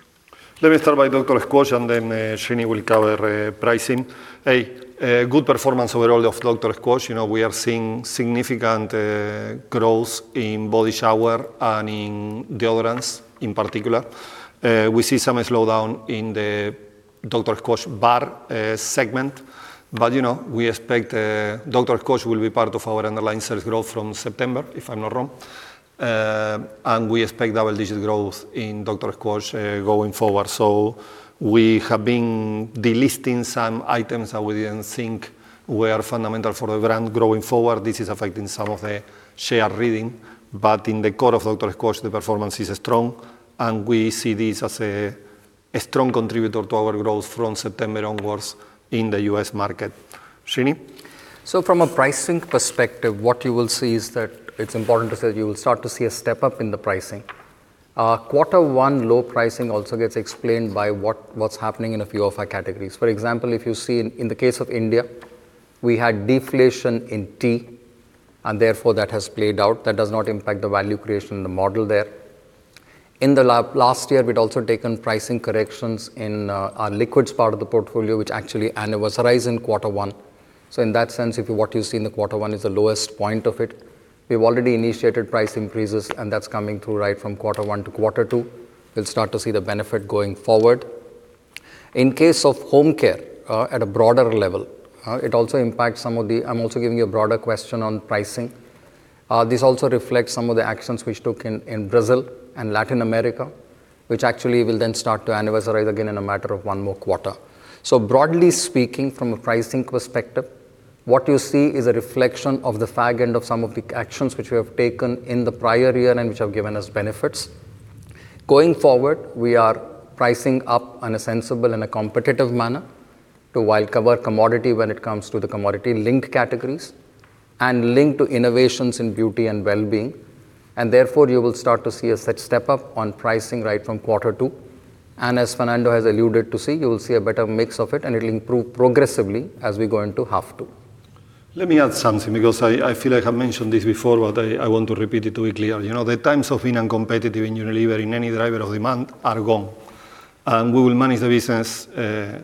Let me start by Dr. Squatch and then Srini will cover pricing. A good performance overall of Dr. Squatch. You know, we are seeing significant growth in body shower and in deodorants in particular. We see some slowdown in the Dr. Squatch bar segment, but you know, we expect Dr. Squatch will be part of our underlying sales growth from September, if I'm not wrong. We expect double-digit growth in Dr. Squatch going forward. We have been delisting some items that we didn't think were fundamental for the brand going forward. This is affecting some of the share reading, but in the core of Dr. Squatch, the performance is strong and we see this as a strong contributor to our growth from September onwards in the U.S. market. Srini? From a pricing perspective, what you will see is that it's important to say that you will start to see a step up in the pricing. Quarter one low pricing also gets explained by what's happening in a few of our categories. For example, if you see in the case of India, we had deflation in tea, and therefore that has played out. That does not impact the value creation in the model there. In the last year, we'd also taken pricing corrections in our liquids part of the portfolio, which actually annualize in quarter one. In that sense, if what you see in the quarter one is the lowest point of it, we've already initiated price increases, and that's coming through right from quarter one to quarter two. We'll start to see the benefit going forward. I'm also giving you a broader question on pricing. This also reflects some of the actions we took in Brazil and Latin America, which actually will then start to annualize again in a matter of one more quarter. Broadly speaking, from a pricing perspective, what you see is a reflection of the far end of some of the actions which we have taken in the prior year and which have given us benefits. Going forward, we are pricing up in a sensible and a competitive manner to while cover commodity when it comes to the commodity linked categories and linked to innovations in Beauty & Wellbeing, therefore you will start to see a set step up on pricing right from quarter two. As Fernando has alluded to see, you will see a better mix of it and it'll improve progressively as we go into half two. Let me add something because I feel I have mentioned this before, but I want to repeat it to be clear. You know, the times of being uncompetitive in Unilever in any driver of demand are gone, and we will manage the business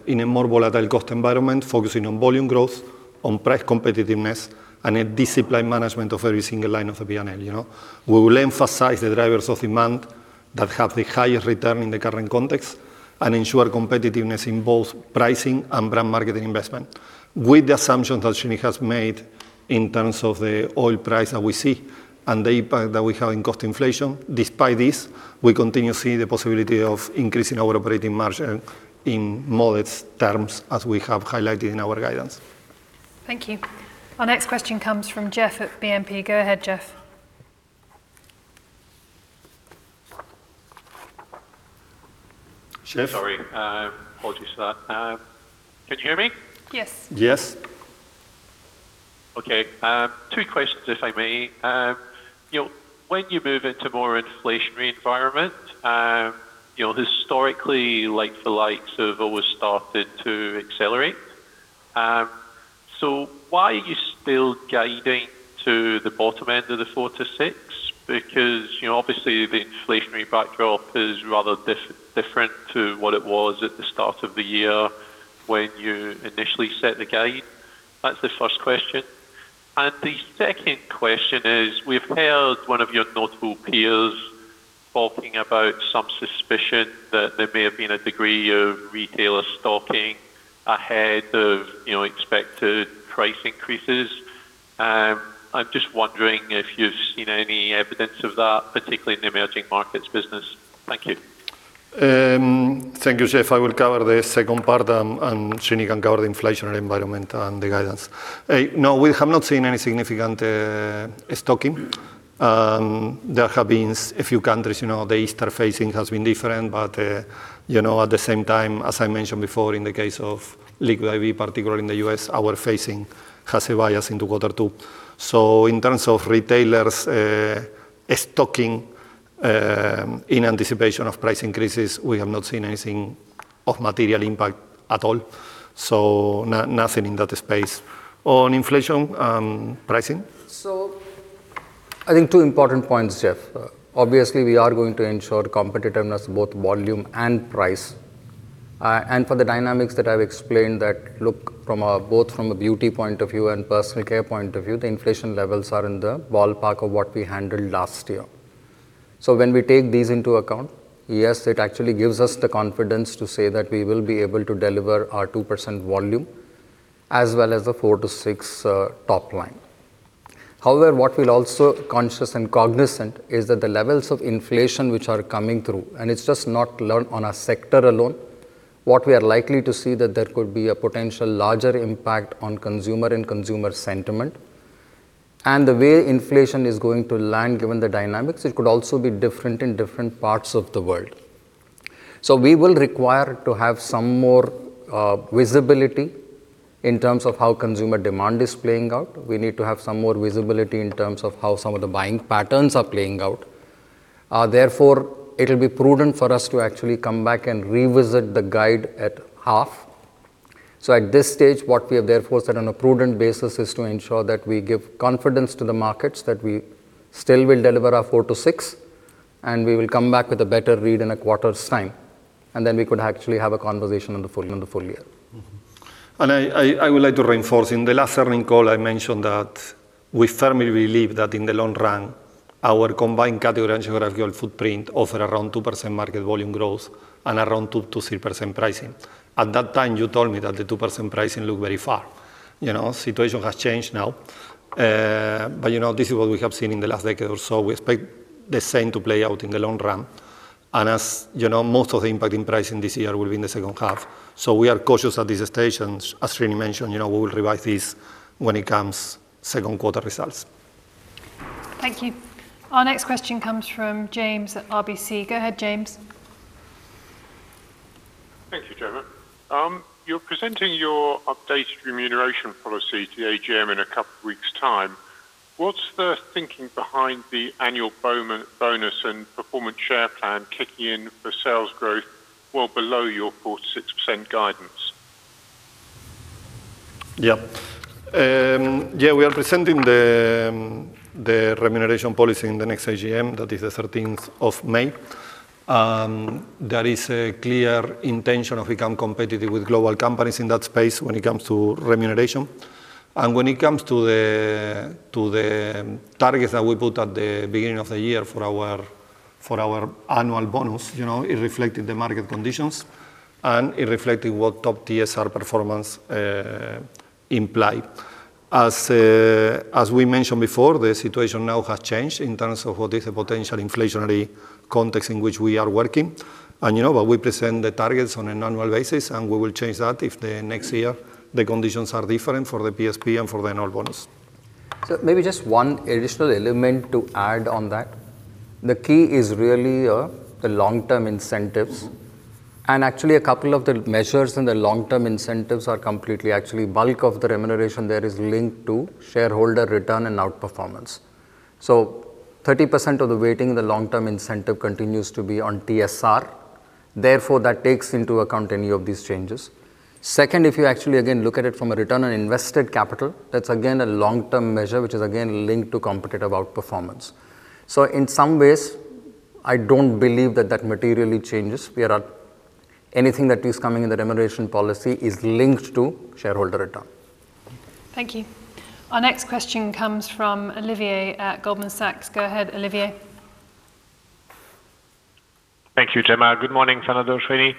in a more volatile cost environment, focusing on volume growth, on price competitiveness, and a disciplined management of every single line of P&L, you know. We will emphasize the drivers of demand that have the highest return in the current context and ensure competitiveness in both pricing and brand marketing investment with the assumptions that Srini has made in terms of the oil price that we see and the impact that we have in cost inflation. Despite this, we continue to see the possibility of increasing our operating margin in modest terms as we have highlighted in our guidance. Thank you. Our next question comes from Jeff at BNP. Go ahead, Jeff. Jeff? Sorry, apologies for that. Can you hear me? Yes. Yes. Okay. Two questions if I may. You know, when you move into more inflationary environment, you know, historically, like-for-likes have always started to accelerate. Why are you still guiding to the bottom end of the 4%-6%? Because, you know, obviously the inflationary backdrop is rather different to what it was at the start of the year when you initially set the guide. That's the first question. The second question is, we've heard one of your notable peers talking about some suspicion that there may have been a degree of retailer stocking ahead of, you know, expected price increases. I'm just wondering if you've seen any evidence of that, particularly in the emerging markets business. Thank you. Thank you, Jeff. I will cover the second part, and Srini can cover the inflationary environment and the guidance. No, we have not seen any significant stocking. There have been a few countries, you know, the Easter phasing has been different, but, you know, at the same time, as I mentioned before, in the case of Liquid I.V., particularly in the U.S., our facing has a bias into quarter two. In terms of retailers, stocking, in anticipation of price increases, we have not seen anything of material impact at all, nothing in that space. On inflation, pricing? I think two important points, Jeff. Obviously, we are going to ensure competitiveness in both volume and price. For the dynamics that I've explained that look from a, both from a Beauty point of view and Personal Care point of view, the inflation levels are in the ballpark of what we handled last year. When we take these into account, yes, it actually gives us the confidence to say that we will be able to deliver our 2% volume as well as the 4%-6% top line. However, what we're also conscious and cognizant is that the levels of inflation which are coming through, and it's just not on a sector alone, what we are likely to see that there could be a potential larger impact on consumer and consumer sentiment, and the way inflation is going to land given the dynamics, it could also be different in different parts of the world. We will require to have some more visibility in terms of how consumer demand is playing out. We need to have some more visibility in terms of how some of the buying patterns are playing out. Therefore, it'll be prudent for us to actually come back and revisit the guide at half. At this stage, what we have therefore said on a prudent basis is to ensure that we give confidence to the markets that we still will deliver our 4%-6%, and we will come back with a better read in a quarter's time, and then we could actually have a conversation on the full year. I, I would like to reinforce, in the last earnings call I mentioned that we firmly believe that in the long run, our combined category and geographical footprint offer around 2% market volume growth and around 2%-3% pricing. At that time, you told me that the 2% pricing looked very far. You know, situation has changed now. You know, this is what we have seen in the last decade or so. We expect the same to play out in the long run. As, you know, most of the impact in pricing this year will be in the second half. We are cautious at this stage, and as Srini mentioned, you know, we will revise this when it comes second quarter results. Thank you. Our next question comes from James at RBC. Go ahead, James. Thank you, Jemma. You're presenting your updated remuneration policy to the AGM in a couple weeks' time. What's the thinking behind the annual bonus and performance share plan kicking in for sales growth well below your 4%-6% guidance? Yeah. We are presenting the remuneration policy in the next AGM, that is the May 13th. There is a clear intention of become competitive with global companies in that space when it comes to remuneration. When it comes to the targets that we put at the beginning of the year for our annual bonus, you know, it reflected the market conditions, and it reflected what top TSR performance imply. As we mentioned before, the situation now has changed in terms of what is the potential inflationary context in which we are working. You know, while we present the targets on an annual basis, and we will change that if the next year the conditions are different for the PSP and for the annual bonus. Maybe just one additional element to add on that. The key is really the long-term incentives. Actually, a couple of the measures in the long-term incentives are completely actually bulk of the remuneration there is linked to shareholder return and outperformance. 30% of the weighting in the long-term incentive continues to be on TSR, therefore, that takes into account any of these changes. Second, if you actually again look at it from a return on invested capital, that's again a long-term measure, which is again linked to competitive outperformance. In some ways, I don't believe that that materially changes. Anything that is coming in the remuneration policy is linked to shareholder return. Thank you. Our next question comes from Olivier at Goldman Sachs. Go ahead, Olivier. Thank you, Jemma. Good morning, Fernando and Srini.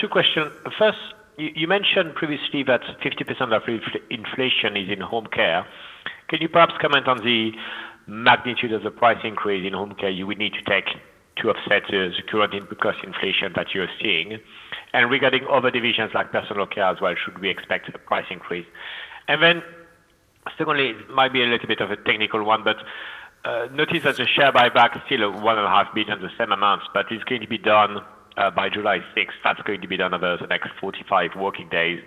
Two question. First, you mentioned previously that 50% of inflation is in Home Care. Can you perhaps comment on the magnitude of the price increase in Home Care you would need to take to offset the current input cost inflation that you're seeing? Regarding other divisions like Personal Care as well, should we expect a price increase? Secondly, it might be a little bit of a technical one, but notice that the share buyback is still at 1.5 billion the same amount. It's going to be done by July 6th. That's going to be done over the next 45 working days.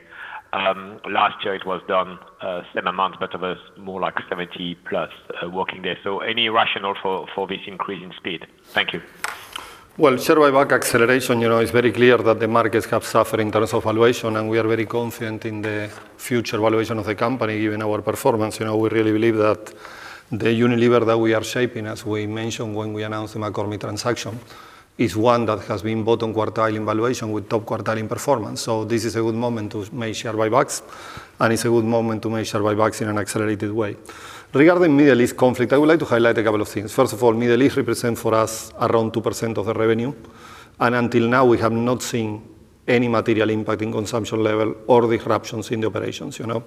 Last year it was done, same amount, but it was more like 70+ working days. Any rationale for this increase in speed? Thank you. Well, share buyback acceleration, you know, is very clear that the markets have suffered in terms of valuation, and we are very confident in the future valuation of the company given our performance. You know, we really believe that the Unilever that we are shaping, as we mentioned when we announced the McCormick transaction, is one that has been bottom quartile in valuation with top quartile in performance. This is a good moment to make share buybacks, and it's a good moment to make share buybacks in an accelerated way. Regarding Middle East conflict, I would like to highlight a couple of things. First of all, Middle East represent for us around 2% of the revenue. Until now, we have not seen any material impact in consumption level or disruptions in the operations, you know.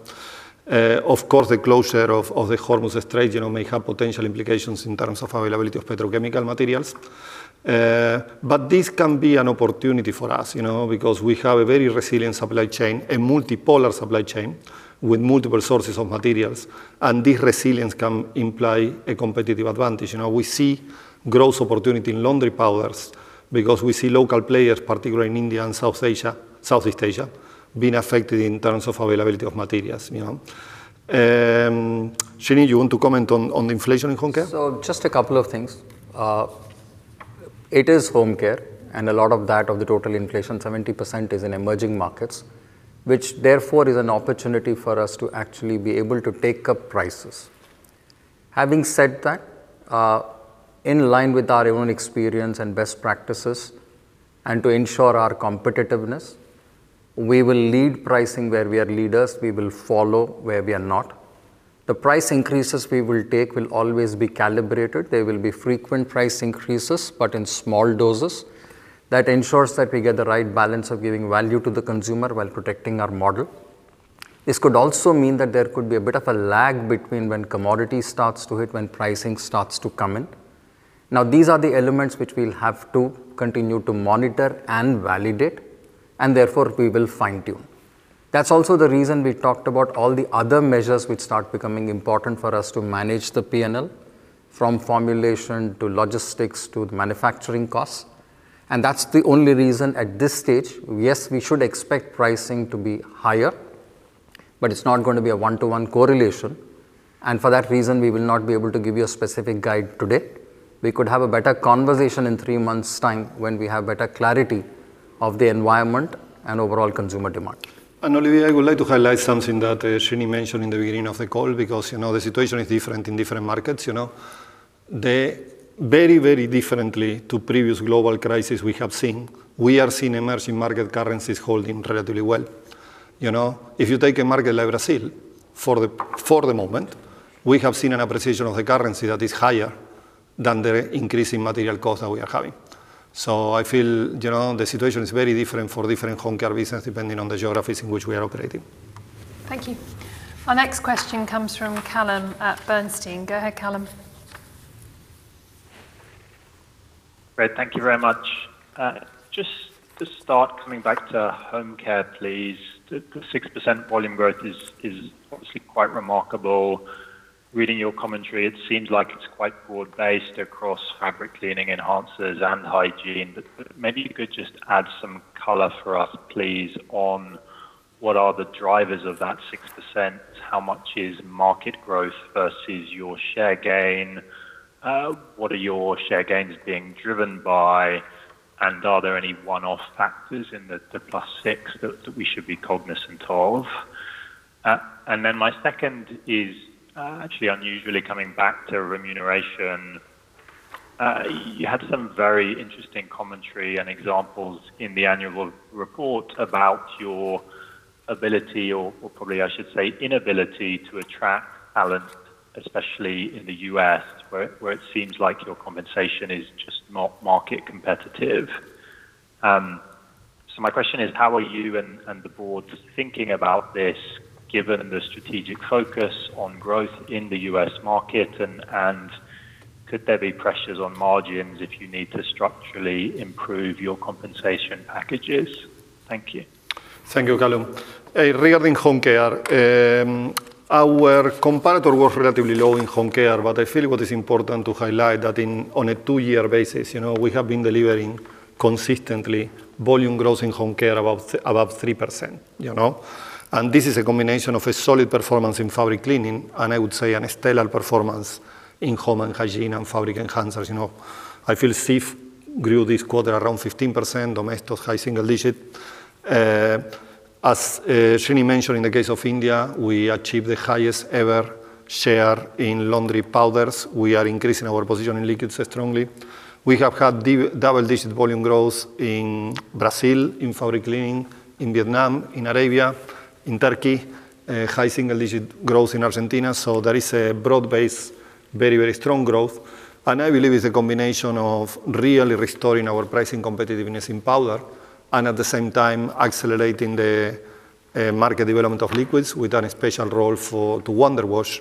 Of course, the closure of the Hormuz Strait, you know, may have potential implications in terms of availability of petrochemical materials. This can be an opportunity for us, you know, because we have a very resilient supply chain, a multipolar supply chain with multiple sources of materials, and this resilience can imply a competitive advantage. You know, we see growth opportunity in laundry powders because we see local players, particularly in India and South Asia, Southeast Asia, being affected in terms of availability of materials, you know. Srini, you want to comment on the inflation in Home Care? Just a couple of things. It is Home Care, a lot of that, of the total inflation, 70% is in emerging markets, which therefore is an opportunity for us to actually be able to take up prices. Having said that, in line with our own experience and best practices, to ensure our competitiveness, we will lead pricing where we are leaders. We will follow where we are not. The price increases we will take will always be calibrated. There will be frequent price increases, but in small doses. That ensures that we get the right balance of giving value to the consumer while protecting our margin. This could also mean that there could be a bit of a lag between when commodity starts to hit, when pricing starts to come in. These are the elements which we'll have to continue to monitor and validate, and therefore we will fine-tune. That's also the reason we talked about all the other measures which start becoming important for us to manage the P&L, from formulation to logistics to manufacturing costs. That's the only reason at this stage, yes, we should expect pricing to be higher, but it's not going to be a one-to-one correlation. For that reason, we will not be able to give you a specific guide today. We could have a better conversation in three months time when we have better clarity of the environment and overall consumer demand. Olivier, I would like to highlight something that Srini mentioned in the beginning of the call because, you know, the situation is different in different markets, you know. The very differently to previous global crisis we have seen, we are seeing emerging market currencies holding relatively well. You know, if you take a market like Brazil, for the moment, we have seen an appreciation of the currency that is higher than the increasing material costs that we are having. I feel, you know, the situation is very different for different Home Care business depending on the geographies in which we are operating. Thank you. Our next question comes from Callum at Bernstein. Go ahead, Callum. Great. Thank you very much. Just to start coming back to Home Care, please. The 6% volume growth is obviously quite remarkable. Reading your commentary, it seems like it's quite broad-based across fabric cleaning enhancers and hygiene. Maybe you could just add some color for us, please, on what are the drivers of that 6%, how much is market growth versus your share gain, what are your share gains being driven by, and are there any one-off factors in the +6% that we should be cognizant of? My second is actually unusually coming back to remuneration. You had some very interesting commentary and examples in the annual report about your ability or probably I should say inability to attract talent, especially in the U.S. where it seems like your compensation is just not market competitive. My question is: How are you and the board thinking about this given the strategic focus on growth in the U.S. market, and could there be pressures on margins if you need to structurally improve your compensation packages? Thank you. Thank you, Callum. Regarding Home Care, our comparator was relatively low in Home Care, but I feel what is important to highlight that in, on a two year basis, you know, we have been delivering consistently volume growth in Home Care above 3%, you know. This is a combination of a solid performance in fabric cleaning and I would say an stellar performance in home and hygiene and fabric enhancers. You know, I feel Cif grew this quarter around 15%, Domestos high single-digit. As Srini mentioned, in the case of India, we achieved the highest ever share in laundry powders. We are increasing our position in liquids strongly. We have had double-digit volume growth in Brazil in fabric cleaning, in Vietnam, in Arabia, in Turkey, high single-digit growth in Argentina. There is a broad-based very, very strong growth, and I believe it's a combination of really restoring our pricing competitiveness in powder and at the same time accelerating the market development of liquids with a special role for the Wonder Wash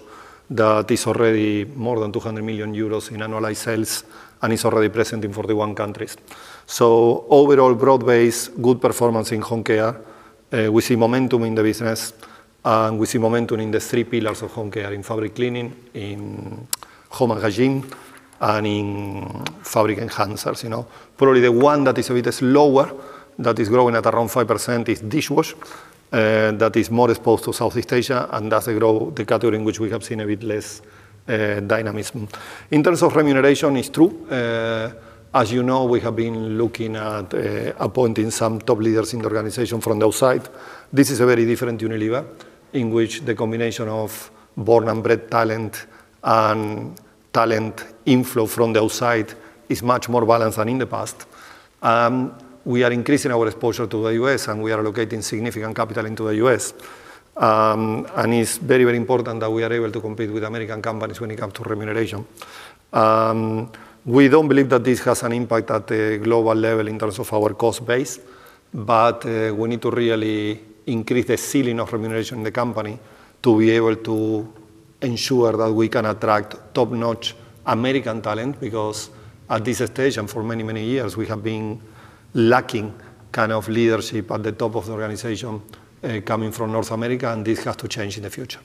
that is already more than 200 million euros in annualized sales and is already present in 41 countries. Overall, broad-based good performance in Home Care. We see momentum in the business, and we see momentum in the three pillars of Home Care, in fabric cleaning, in home hygiene, and in fabric enhancers, you know. Probably the one that is a bit lower, that is growing at around 5% is dishwasher. That is more exposed to Southeast Asia, and that's the category in which we have seen a bit less dynamism. In terms of remuneration, it's true. As you know, we have been looking at appointing some top leaders in the organization from the outside. This is a very different Unilever in which the combination of born and bred talent and talent inflow from the outside is much more balanced than in the past. We are increasing our exposure to the U.S., and we are allocating significant capital into the U.S. It's very, very important that we are able to compete with American companies when it comes to remuneration. We don't believe that this has an impact at the global level in terms of our cost base. We need to really increase the ceiling of remuneration in the company to be able to ensure that we can attract top-notch American talent, because at this stage and for many, many years, we have been lacking kind of leadership at the top of the organization, coming from North America, and this has to change in the future.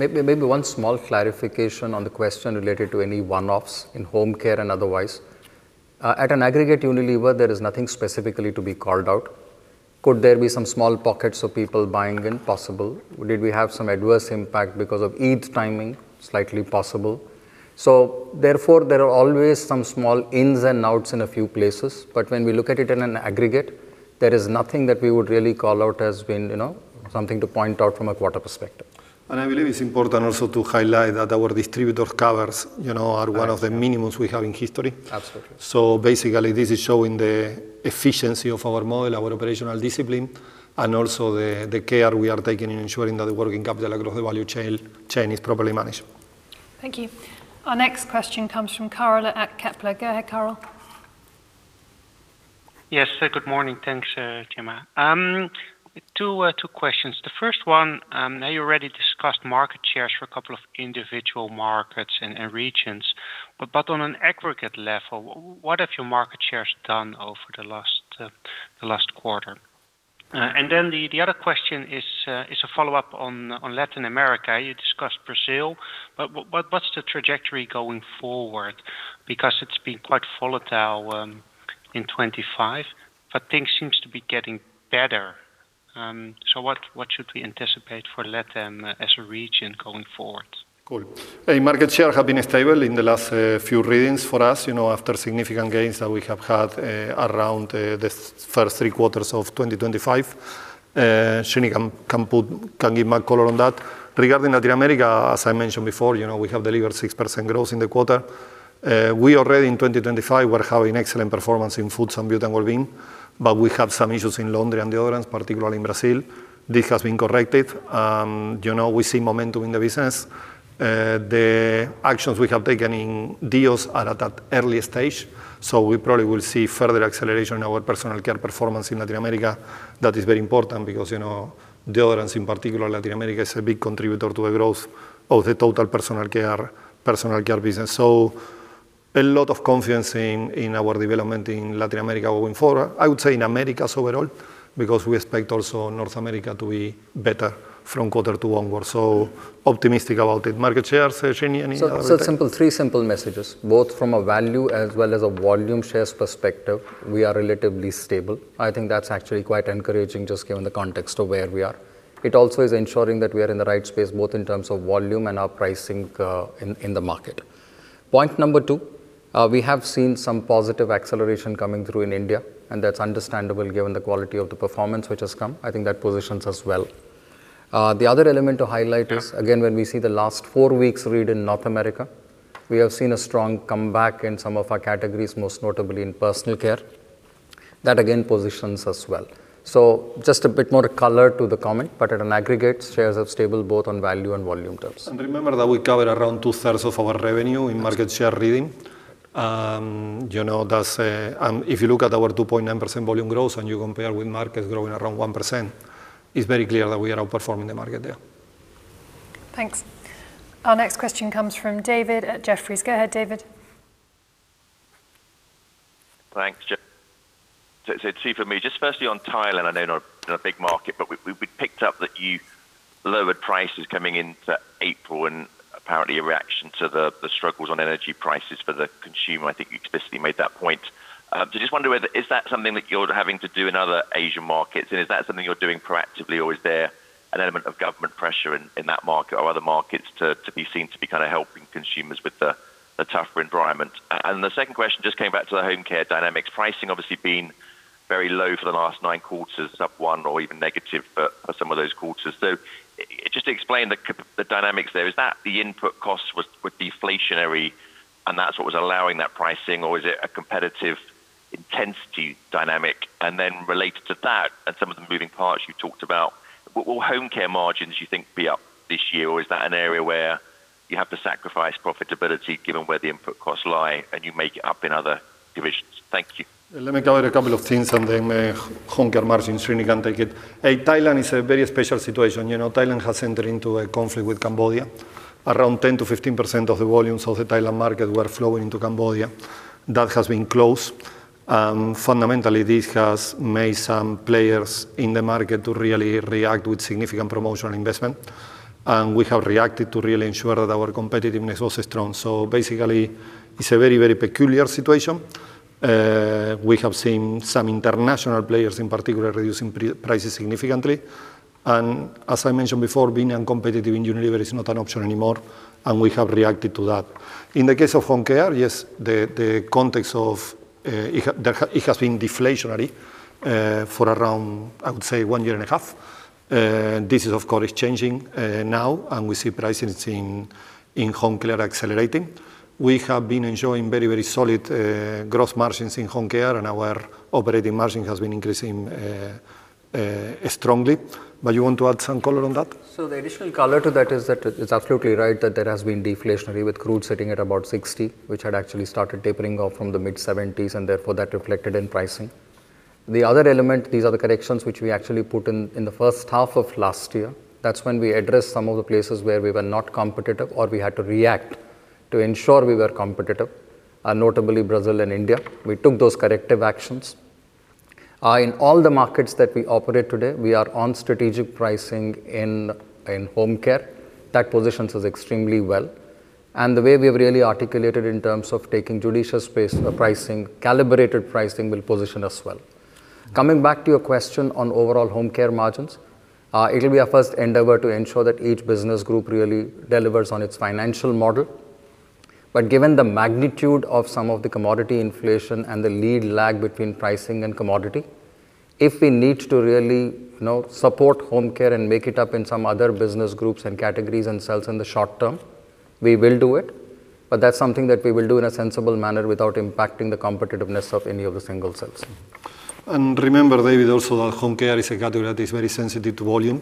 Maybe one small clarification on the question related to any one-offs in Home Care and otherwise. At an aggregate Unilever, there is nothing specifically to be called out. Could there be some small pockets of people buying in? Possible. Did we have some adverse impact because of Eid timing? Slightly possible. Therefore, there are always some small ins and outs in a few places. When we look at it in an aggregate, there is nothing that we would really call out as being, you know, something to point out from a quarter perspective. I believe it's important also to highlight that our distributor covers, you know, are one of the minimums we have in history. Absolutely. Basically, this is showing the efficiency of our model, our operational discipline, and also the care we are taking in ensuring that the working capital across the value chain is properly managed. Thank you. Our next question comes from Karel at Kepler. Go ahead, Karel. Yes. Good morning. Thanks, Jemma. Two questions. The first one, now you already discussed market shares for a couple of individual markets and regions. On an aggregate level, what have your market shares done over the last quarter? The other question is a follow-up on Latin America. You discussed Brazil, but what's the trajectory going forward? Because it's been quite volatile. In 2025, things seem to be getting better. What should we anticipate for LATAM as a region going forward? Cool. A market share have been stable in the last few readings for us, you know, after significant gains that we have had around the first three quarters of 2025. Srini can give more color on that. Regarding Latin America, as I mentioned before, you know, we have delivered 6% growth in the quarter. We already in 2025 were having excellent performance in Foods and Beauty & Wellbeing, but we have some issues in laundry and deodorants, particularly in Brazil. This has been corrected. You know, we see momentum in the business. The actions we have taken in deos are at that early stage, so we probably will see further acceleration in our Personal Care performance in Latin America. That is very important because, you know, deodorants in particular, Latin America is a big contributor to the growth of the total Personal Care business. A lot of confidence in our development in Latin America going forward. I would say in Americas overall, because we expect also North America to be better from Q2 onward. Optimistic about it. Market shares, Srini, any other take? Simple, three simple messages, both from a value as well as a volume shares perspective, we are relatively stable. I think that's actually quite encouraging just given the context of where we are. It also is ensuring that we are in the right space, both in terms of volume and our pricing, in the market. Point number two, we have seen some positive acceleration coming through in India, and that's understandable given the quality of the performance which has come. I think that positions us well. The other element to highlight is, again, when we see the last four weeks read in North America, we have seen a strong comeback in some of our categories, most notably in Personal Care. That again positions us well. Just a bit more color to the comment, but at an aggregate, shares are stable both on value and volume terms. Remember that we cover around two-thirds of our revenue in market share reading, you know, that's, if you look at our 2.9% volume growth and you compare with markets growing around 1%, it's very clear that we are outperforming the market there. Thanks. Our next question comes from David at Jefferies. Go ahead, David. Thanks. Two for me. Just firstly on Thailand, I know not a big market, but we picked up that you lowered prices coming into April and apparently a reaction to the struggles on energy prices for the consumer. I think you explicitly made that point. Just wonder whether is that something that you're having to do in other Asian markets? Is that something you're doing proactively, or is there an element of government pressure in that market or other markets to be seen to be kind of helping consumers with the tougher environment? The second question, just coming back to the Home Care dynamics. Pricing obviously been very low for the last nine quarters, sub one or even negative for some of those quarters. Just explain the dynamics there. Is that the input costs were deflationary, and that's what was allowing that pricing, or is it a competitive intensity dynamic? Related to that and some of the moving parts you talked about, will Home Care margins, you think, be up this year, or is that an area where you have to sacrifice profitability given where the input costs lie and you make it up in other divisions? Thank you. Let me cover a couple of things and then, Home Care margins, Srini can take it. Thailand is a very special situation. You know, Thailand has entered into a conflict with Cambodia. Around 10%-15% of the volumes of the Thailand market were flowing into Cambodia. That has been closed. Fundamentally, this has made some players in the market to really react with significant promotional investment. We have reacted to really ensure that our competitiveness was strong. Basically, it's a very, very peculiar situation, we have seen some international players in particular reducing prices significantly. As I mentioned before, being uncompetitive in Unilever is not an option anymore, and we have reacted to that. In the case of Home Care, yes, the context of it has been deflationary for around, I would say, one year and a half. This is, of course, changing now, and we see pricing in Home Care accelerating. We have been enjoying very, very solid growth margins in Home Care, and our operating margin has been increasing strongly. You want to add some color on that? The additional color to that is that it's absolutely right that there has been deflationary with crude sitting at about 60, which had actually started tapering off from the mid-70s, and therefore that reflected in pricing. The other element, these are the corrections which we actually put in the first half of last year. That's when we addressed some of the places where we were not competitive or we had to react to ensure we were competitive, notably Brazil and India. We took those corrective actions. In all the markets that we operate today, we are on strategic pricing in Home Care, that positions us extremely well. The way we have really articulated in terms of taking judicious pricing, calibrated pricing will position us well. Coming back to your question on overall Home Care margins, it will be our first endeavor to ensure that each business group really delivers on its financial model. Given the magnitude of some of the commodity inflation and the lead lag between pricing and commodity, if we need to really, you know, support Home Care and make it up in some other business groups and categories and sales in the short term, we will do it. That's something that we will do in a sensible manner without impacting the competitiveness of any of the single sales. Remember, David, also that Home Care is a category that is very sensitive to volume.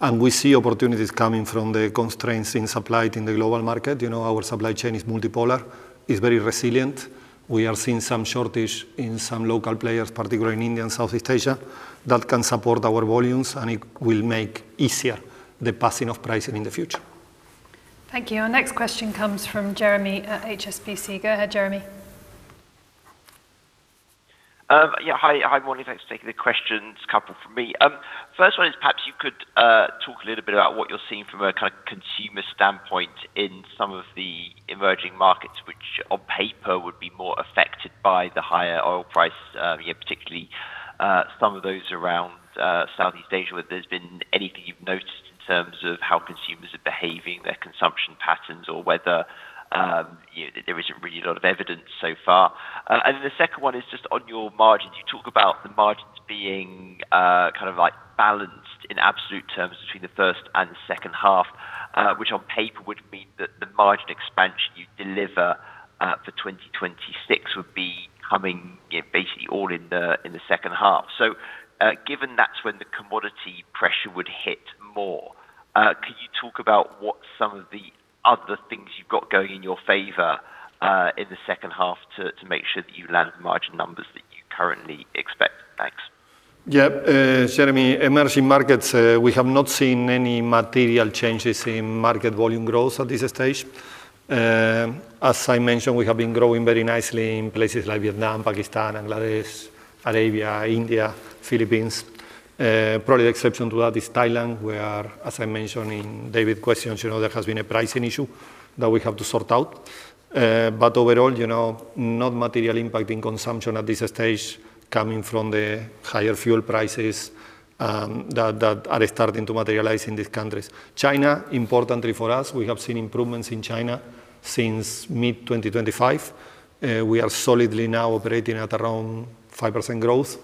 We see opportunities coming from the constraints in supply in the global market. You know, our supply chain is multipolar, is very resilient. We are seeing some shortage in some local players, particularly in India and Southeast Asia, that can support our volumes, and it will make easier the passing of pricing in the future. Thank you. Our next question comes from Jeremy at HSBC. Go ahead, Jeremy. Hi. Hi, morning. Thanks for taking the questions. A couple from me. First one is perhaps you could talk a little bit about what you're seeing from a kind of consumer standpoint in some of the emerging markets, which on paper would be more affected by the higher oil price, particularly some of those around Southeast Asia. Whether there's been anything you've noticed in terms of how consumers are behaving, their consumption patterns, or whether, you know, there isn't really a lot of evidence so far. The second one is just on your margins. You talk about the margins being kind of like balanced in absolute terms between the first and the second half, which on paper would mean that the margin expansion you deliver for 2026 would be coming basically all in the second half. Given that's when the commodity pressure would hit more, could you talk about what some of the other things you've got going in your favor in the second half to make sure that you land the margin numbers that you currently expect? Thanks. Jeremy, emerging markets, we have not seen any material changes in market volume growth at this stage. As I mentioned, we have been growing very nicely in places like Vietnam, Pakistan, Bangladesh, Arabia, India, Philippines. Probably the exception to that is Thailand, where, as I mentioned in David's questions, you know, there has been a pricing issue that we have to sort out. But overall, you know, not material impacting consumption at this stage coming from the higher fuel prices that are starting to materialize in these countries. China, importantly for us, we have seen improvements in China since mid-2025. We are solidly now operating at around 5% growth.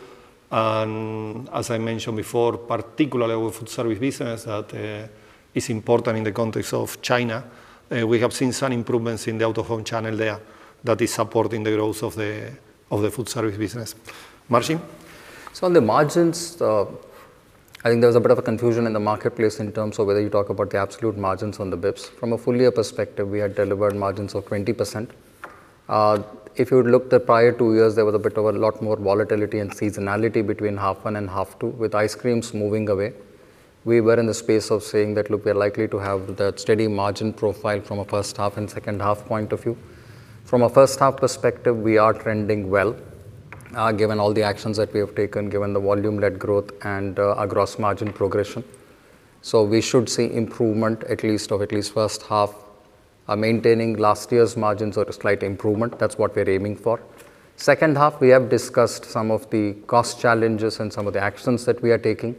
As I mentioned before, particularly our food service business that is important in the context of China. We have seen some improvements in the out-of-home channel there that is supporting the growth of the food service business. Margin? On the margins, I think there's a bit of a confusion in the marketplace in terms of whether you talk about the absolute margins on the bps. From a full year perspective, we had delivered margins of 20%. If you looked at prior two years, there was a bit of a lot more volatility and seasonality between half one and half two, with ice creams moving away. We were in the space of saying that, look, we are likely to have that steady margin profile from a first half and second half point of view. From a first half perspective, we are trending well, given all the actions that we have taken, given the volume-led growth and our gross margin progression. We should see improvement at least of at least first half, maintaining last year's margins or a slight improvement. That's what we're aiming for. Second half, we have discussed some of the cost challenges and some of the actions that we are taking.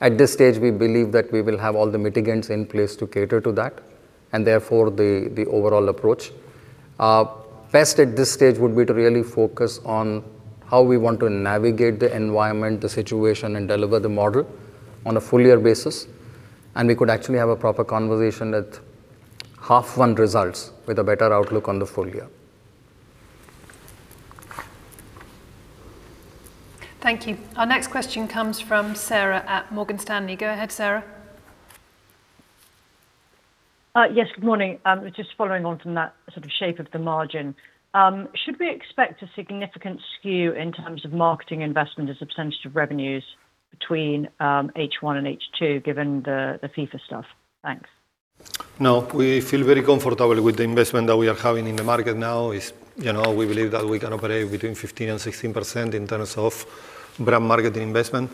At this stage, we believe that we will have all the mitigants in place to cater to that and therefore the overall approach. Best at this stage would be to really focus on how we want to navigate the environment, the situation, and deliver the model on a full year basis. We could actually have a proper conversation at half one results with a better outlook on the full year. Thank you. Our next question comes from Sarah at Morgan Stanley. Go ahead, Sarah. Yes. Good morning. Just following on from that sort of shape of the margin, should we expect a significant skew in terms of marketing investment as a percentage of revenues between H1 and H2, given the FIFA stuff? Thanks. No, we feel very comfortable with the investment that we are having in the market now. It's, you know, we believe that we can operate between 15% and 16% in terms of brand and marketing investment.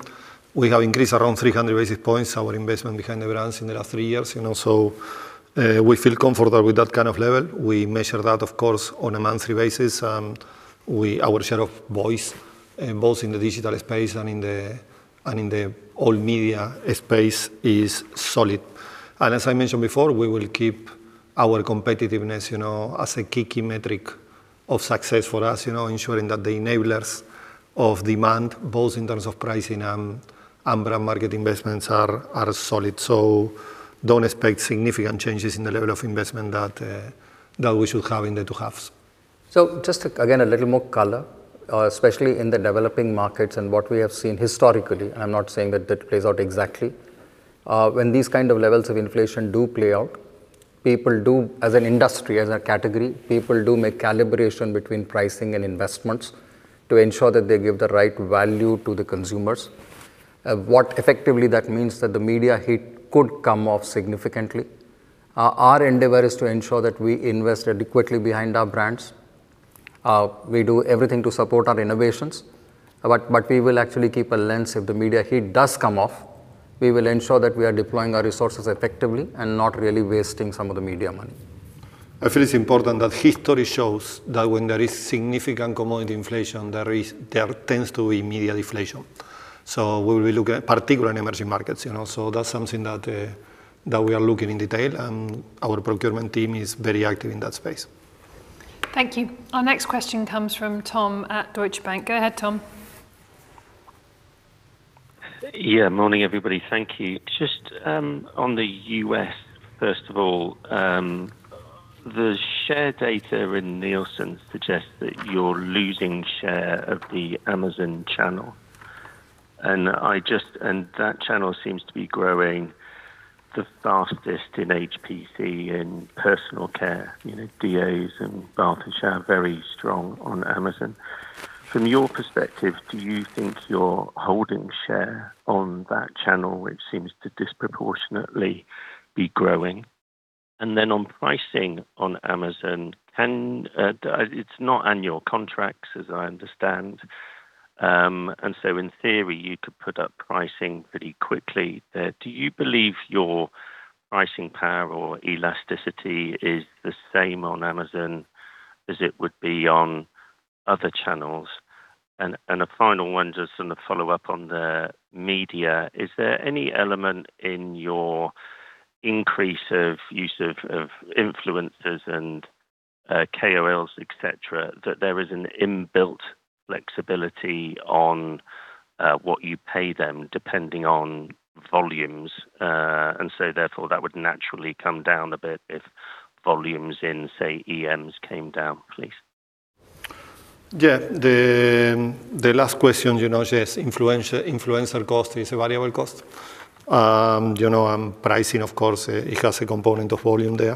We have increased around 300 basis points our investment behind the brands in the last three years. You know, we feel comfortable with that kind of level. We measure that, of course, on a monthly basis. Our share of voice, both in the digital space and in the old media space, is solid. As I mentioned before, we will keep our competitiveness, you know, as a key metric of success for us. You know, ensuring that the enablers of demand, both in terms of pricing and brand and marketing investments are solid. Don't expect significant changes in the level of investment that we should have in the two halves. Just to, again, a little more color, especially in the developing markets and what we have seen historically, and I'm not saying that that plays out exactly. When these kind of levels of inflation do play out, people do, as an industry, as a category, people do make calibration between pricing and investments to ensure that they give the right value to the consumers. What effectively that means that the media hit could come off significantly. Our endeavor is to ensure that we invest adequately behind our brands. We do everything to support our innovations. We will actually keep a lens if the media hit does come off. We will ensure that we are deploying our resources effectively and not really wasting some of the media money. I feel it's important that history shows that when there is significant commodity inflation, there tends to be media deflation. We will look at, particularly in emerging markets, you know. That's something that we are looking in detail, and our procurement team is very active in that space. Thank you. Our next question comes from Tom at Deutsche Bank. Go ahead, Tom. Yeah. Morning, everybody. Thank you. Just, on the U.S., first of all, the share data in Nielsen suggests that you're losing share of the Amazon channel. That channel seems to be growing the fastest in HPC, in Personal Care, you know, deos and bath and shower are very strong on Amazon. From your perspective, do you think you're holding share on that channel, which seems to disproportionately be growing? On pricing on Amazon, it's not annual contracts, as I understand. In theory, you could put up pricing pretty quickly. Do you believe your pricing power or elasticity is the same on Amazon as it would be on other channels? A final one, just on a follow-up on the media, is there any element in your increase of use of influencers and KOLs, et cetera, that there is an inbuilt flexibility on what you pay them depending on volumes? Therefore, that would naturally come down a bit if volumes in, say, EMs came down, please. Yeah. The last question, you know, yes, influencer cost is a variable cost. You know, pricing of course, it has a component of volume there.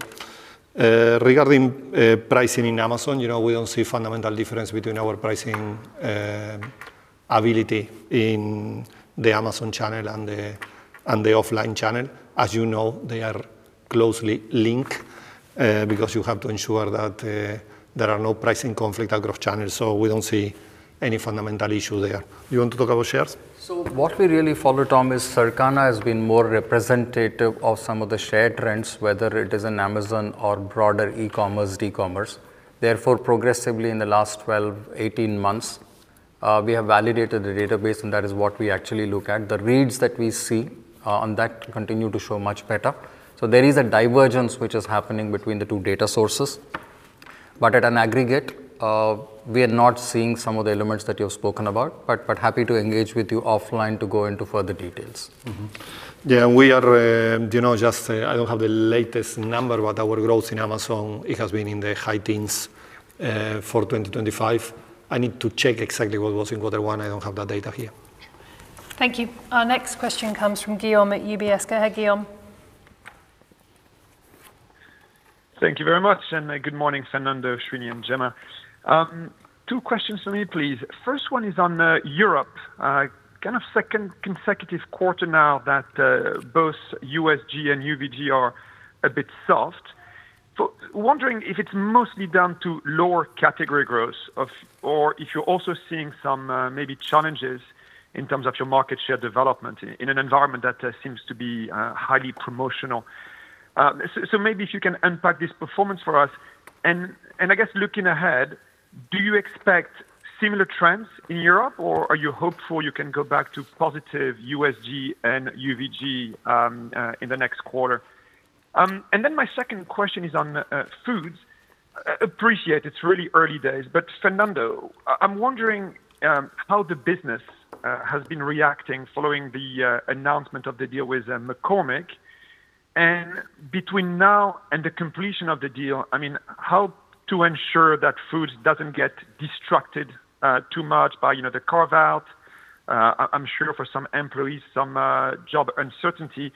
Regarding pricing in Amazon, you know, we don't see fundamental difference between our pricing ability in the Amazon channel and the offline channel. As you know, they are closely linked, because you have to ensure that there are no pricing conflict across channels, so we don't see any fundamental issue there. You want to talk about shares? What we really follow, Tom, is Circana has been more representative of some of the share trends, whether it is in Amazon or broader e-commerce, d-commerce. Therefore, progressively in the last 12, 18 months, we have validated the database, and that is what we actually look at. The reads that we see on that continue to show much better. There is a divergence which is happening between the two data sources. At an aggregate, we are not seeing some of the elements that you have spoken about, but happy to engage with you offline to go into further details. Yeah, we are, you know, just, I don't have the latest number, but our growth in Amazon, it has been in the high-teens, for 2025. I need to check exactly what was in quarter one. I don't have that data here. Thank you. Our next question comes from Guillaume at UBS. Go ahead, Guillaume. Thank you very much. Good morning Fernando, Srini, and Jemma. Two questions from me, please. First one is on Europe. Kind of second consecutive quarter now that both USG and UVG are a bit soft. Wondering if it's mostly down to lower category growth or if you're also seeing some maybe challenges in terms of your market share development in an environment that seems to be highly promotional. Maybe if you can unpack this performance for us. I guess looking ahead, do you expect similar trends in Europe, or are you hopeful you can go back to positive USG and UVG in the next quarter? Then my second question is on Foods. Appreciate it's really early days, Fernando, I'm wondering how the business has been reacting following the announcement of the deal with McCormick. Between now and the completion of the deal, I mean, how to ensure that Foods doesn't get distracted too much by, you know, the carve-out, I'm sure for some employees, some job uncertainty.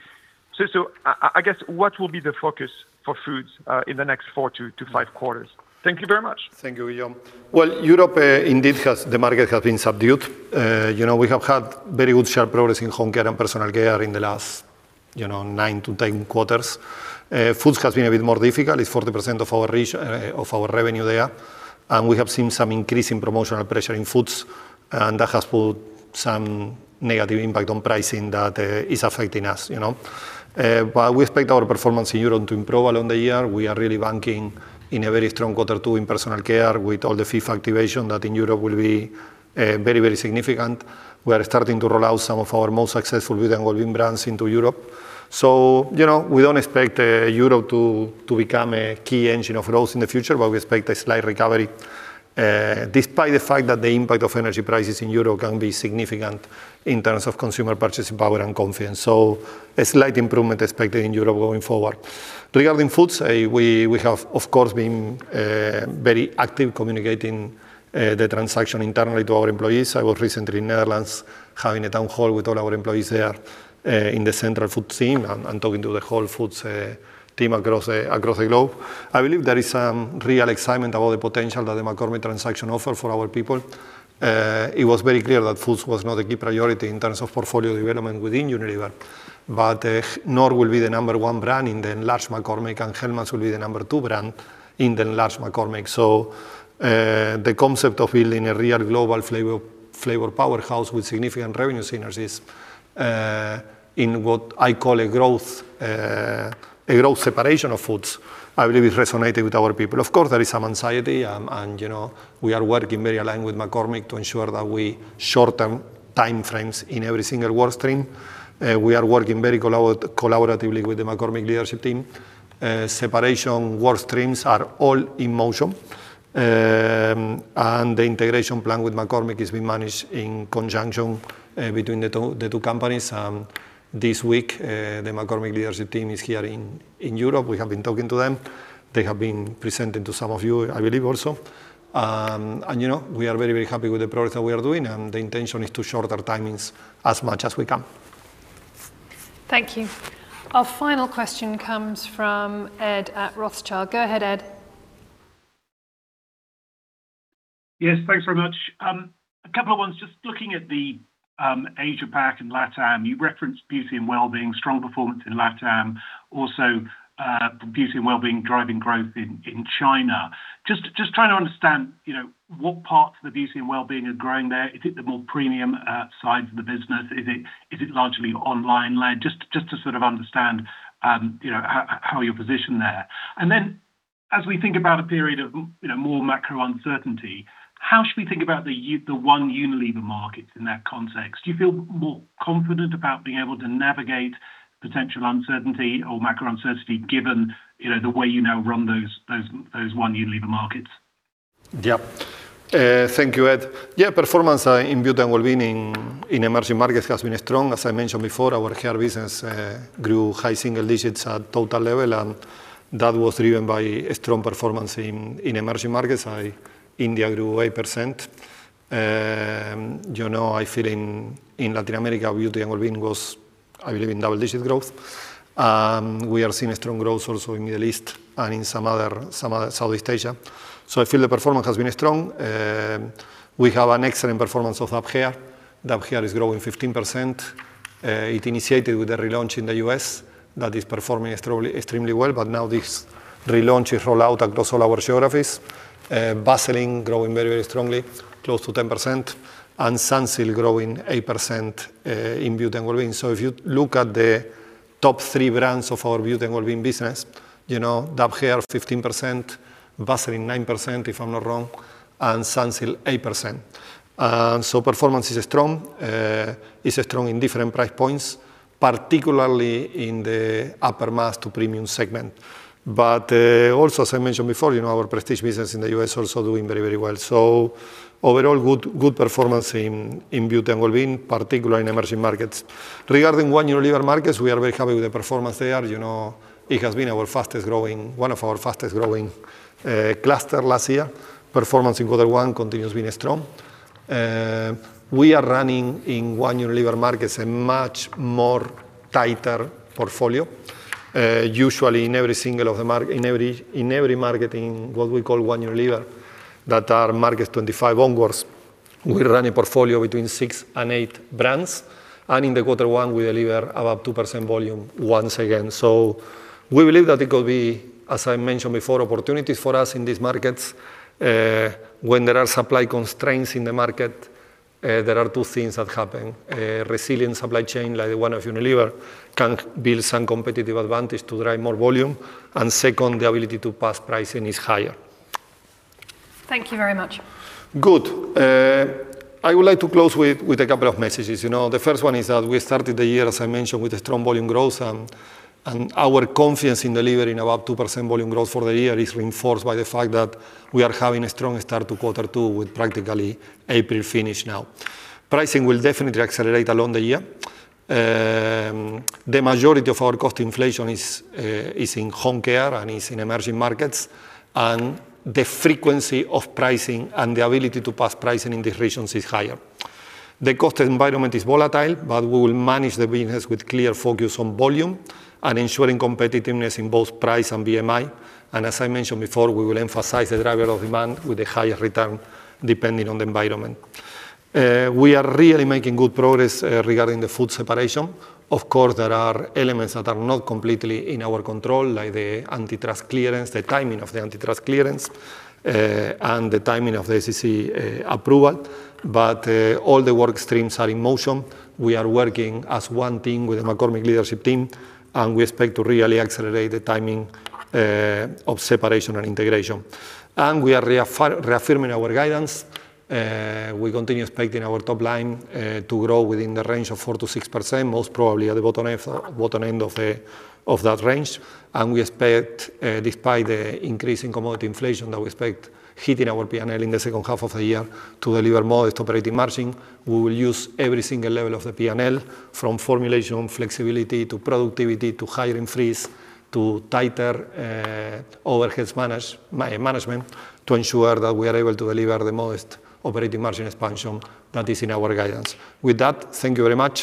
I guess, what will be the focus for Foods in the next four to five quarters? Thank you very much. Thank you, Guillaume. Well, Europe, the market has been subdued. You know, we have had very good share progress in Home Care and Personal Care in the last, you know, nine to 10 quarters. Foods has been a bit more difficult. It's 40% of our revenue there. We have seen some increase in promotional pressure in Foods, and that has put some negative impact on pricing that is affecting us, you know. We expect our performance in Europe to improve along the year. We are really banking in a very strong quarter two in Personal Care with all the FIFA activitation that in Europe will be very significant. We are starting to roll out some of our most successful Beauty & Wellbeing brands into Europe. You know, we don't expect Europe to become a key engine of growth in the future, but we expect a slight recovery despite the fact that the impact of energy prices in Europe can be significant in terms of consumer purchasing power and confidence. A slight improvement expected in Europe going forward. Regarding Foods, we have of course been very active communicating the transaction internally to our employees. I was recently in Netherlands having a town hall with all our employees there, in the central food team and talking to the whole Foods team across the globe. I believe there is some real excitement about the potential that the McCormick transaction offer for our people. It was very clear that Foods was not a key priority in terms of portfolio development within Unilever. Knorr will be the number one brand in the enlarged McCormick, and Hellmann's will be the number two brand in the enlarged McCormick. The concept of building a real global flavor powerhouse with significant revenue synergies, in what I call a growth separation of Foods, I believe has resonated with our people. Of course, there is some anxiety, and, you know, we are working very aligned with McCormick to ensure that we shorten timeframes in every single work stream. We are working very collaboratively with the McCormick leadership team. Separation work streams are all in motion. The integration plan with McCormick is being managed in conjunction between the two companies. This week, the McCormick leadership team is here in Europe. We have been talking to them. They have been presenting to some of you, I believe, also. You know, we are very, very happy with the progress that we are doing, and the intention is to shorten our timings as much as we can. Thank you. Our final question comes from Ed at Rothschild. Go ahead, Ed. Yes, thanks very much. A couple of ones just looking at the Asia Pac and LATAM, you referenced Beauty & Wellbeing, strong performance in LATAM. Also, Beauty & Wellbeing driving growth in China. Just trying to understand, you know, what parts of the Beauty & Wellbeing are growing there. Is it the more premium sides of the business? Is it largely online-led? Just to sort of understand, you know, how you're positioned there. Then as we think about a period of, you know, more macro uncertainty, how should we think about the 1 Unilever markets in that context? Do you feel more confident about being able to navigate potential uncertainty or macro uncertainty given, you know, the way you now run those 1 Unilever markets? Yeah. Thank you, Ed. Yeah, performance in Beauty & Wellbeing in emerging markets has been strong. As I mentioned before, our hair business grew high single digits at total level. That was driven by a strong performance in emerging markets. India grew 8%. you know, I feel in Latin America, Beauty & Wellbeing was I believe in double-digit growth. We are seeing a strong growth also in Middle East and in Southeast Asia. I feel the performance has been strong. We have an excellent performance of Dove Hair. Dove Hair is growing 15%. It initiated with the relaunch in the U.S. that is performing extremely well. Now this relaunch is roll out across all our geographies. Vaseline growing very, very strongly, close to 10%, and Sunsilk growing 8% in Beauty & Wellbeing. If you look at the top three brands of our Beauty & Wellbeing business, you know, Dove Hair 15%, Vaseline 9%, if I'm not wrong, and Sunsilk 8%. Performance is strong. It's strong in different price points, particularly in the upper mass to premium segment. Also, as I mentioned before, you know, our prestige business in the U.S. also doing very, very well. Overall, good performance in Beauty & Wellbeing, particularly in emerging markets. Regarding 1 Unilever markets, we are very happy with the performance there. You know, it has been one of our fastest-growing cluster last year. Performance in quarter one continues being strong. We are running in 1 Unilever markets a much more tighter portfolio. Usually in every market in what we call 1 Unilever that are markets 25 onwards, we run a portfolio between six and eight brands. In the quarter one, we deliver above 2% volume once again. We believe that it could be, as I mentioned before, opportunities for us in these markets. When there are supply constraints in the market, there are two things that happen. Resilient supply chain, like the one of Unilever, can build some competitive advantage to drive more volume. Second, the ability to pass pricing is higher. Thank you very much. Good. I would like to close with a couple of messages. You know, the first one is that we started the year, as I mentioned, with a strong volume growth, and our confidence in delivering above 2% volume growth for the year is reinforced by the fact that we are having a strong start to Q2 with practically April finished now. Pricing will definitely accelerate along the year. The majority of our cost inflation is in Home Care and is in emerging markets, the frequency of pricing and the ability to pass pricing in these regions is higher. The cost environment is volatile, we will manage the business with clear focus on volume and ensuring competitiveness in both price and BMI. As I mentioned before, we will emphasize the driver of demand with the highest return depending on the environment. We are really making good progress regarding the food separation. Of course, there are elements that are not completely in our control, like the antitrust clearance, the timing of the antitrust clearance, and the timing of the SEC approval. All the work streams are in motion. We are working as one team with the McCormick leadership team, and we expect to really accelerate the timing of separation and integration. We are reaffirming our guidance. We continue expecting our top line to grow within the range of 4%-6%, most probably at the bottom end of that range. We expect, despite the increase in commodity inflation that we expect hitting our P&L in the second half of the year to deliver modest operating margin, we will use every single level of the P&L, from formulation flexibility to productivity to hiring freeze to tighter overheads management to ensure that we are able to deliver the modest operating margin expansion that is in our guidance. With that, thank you very much.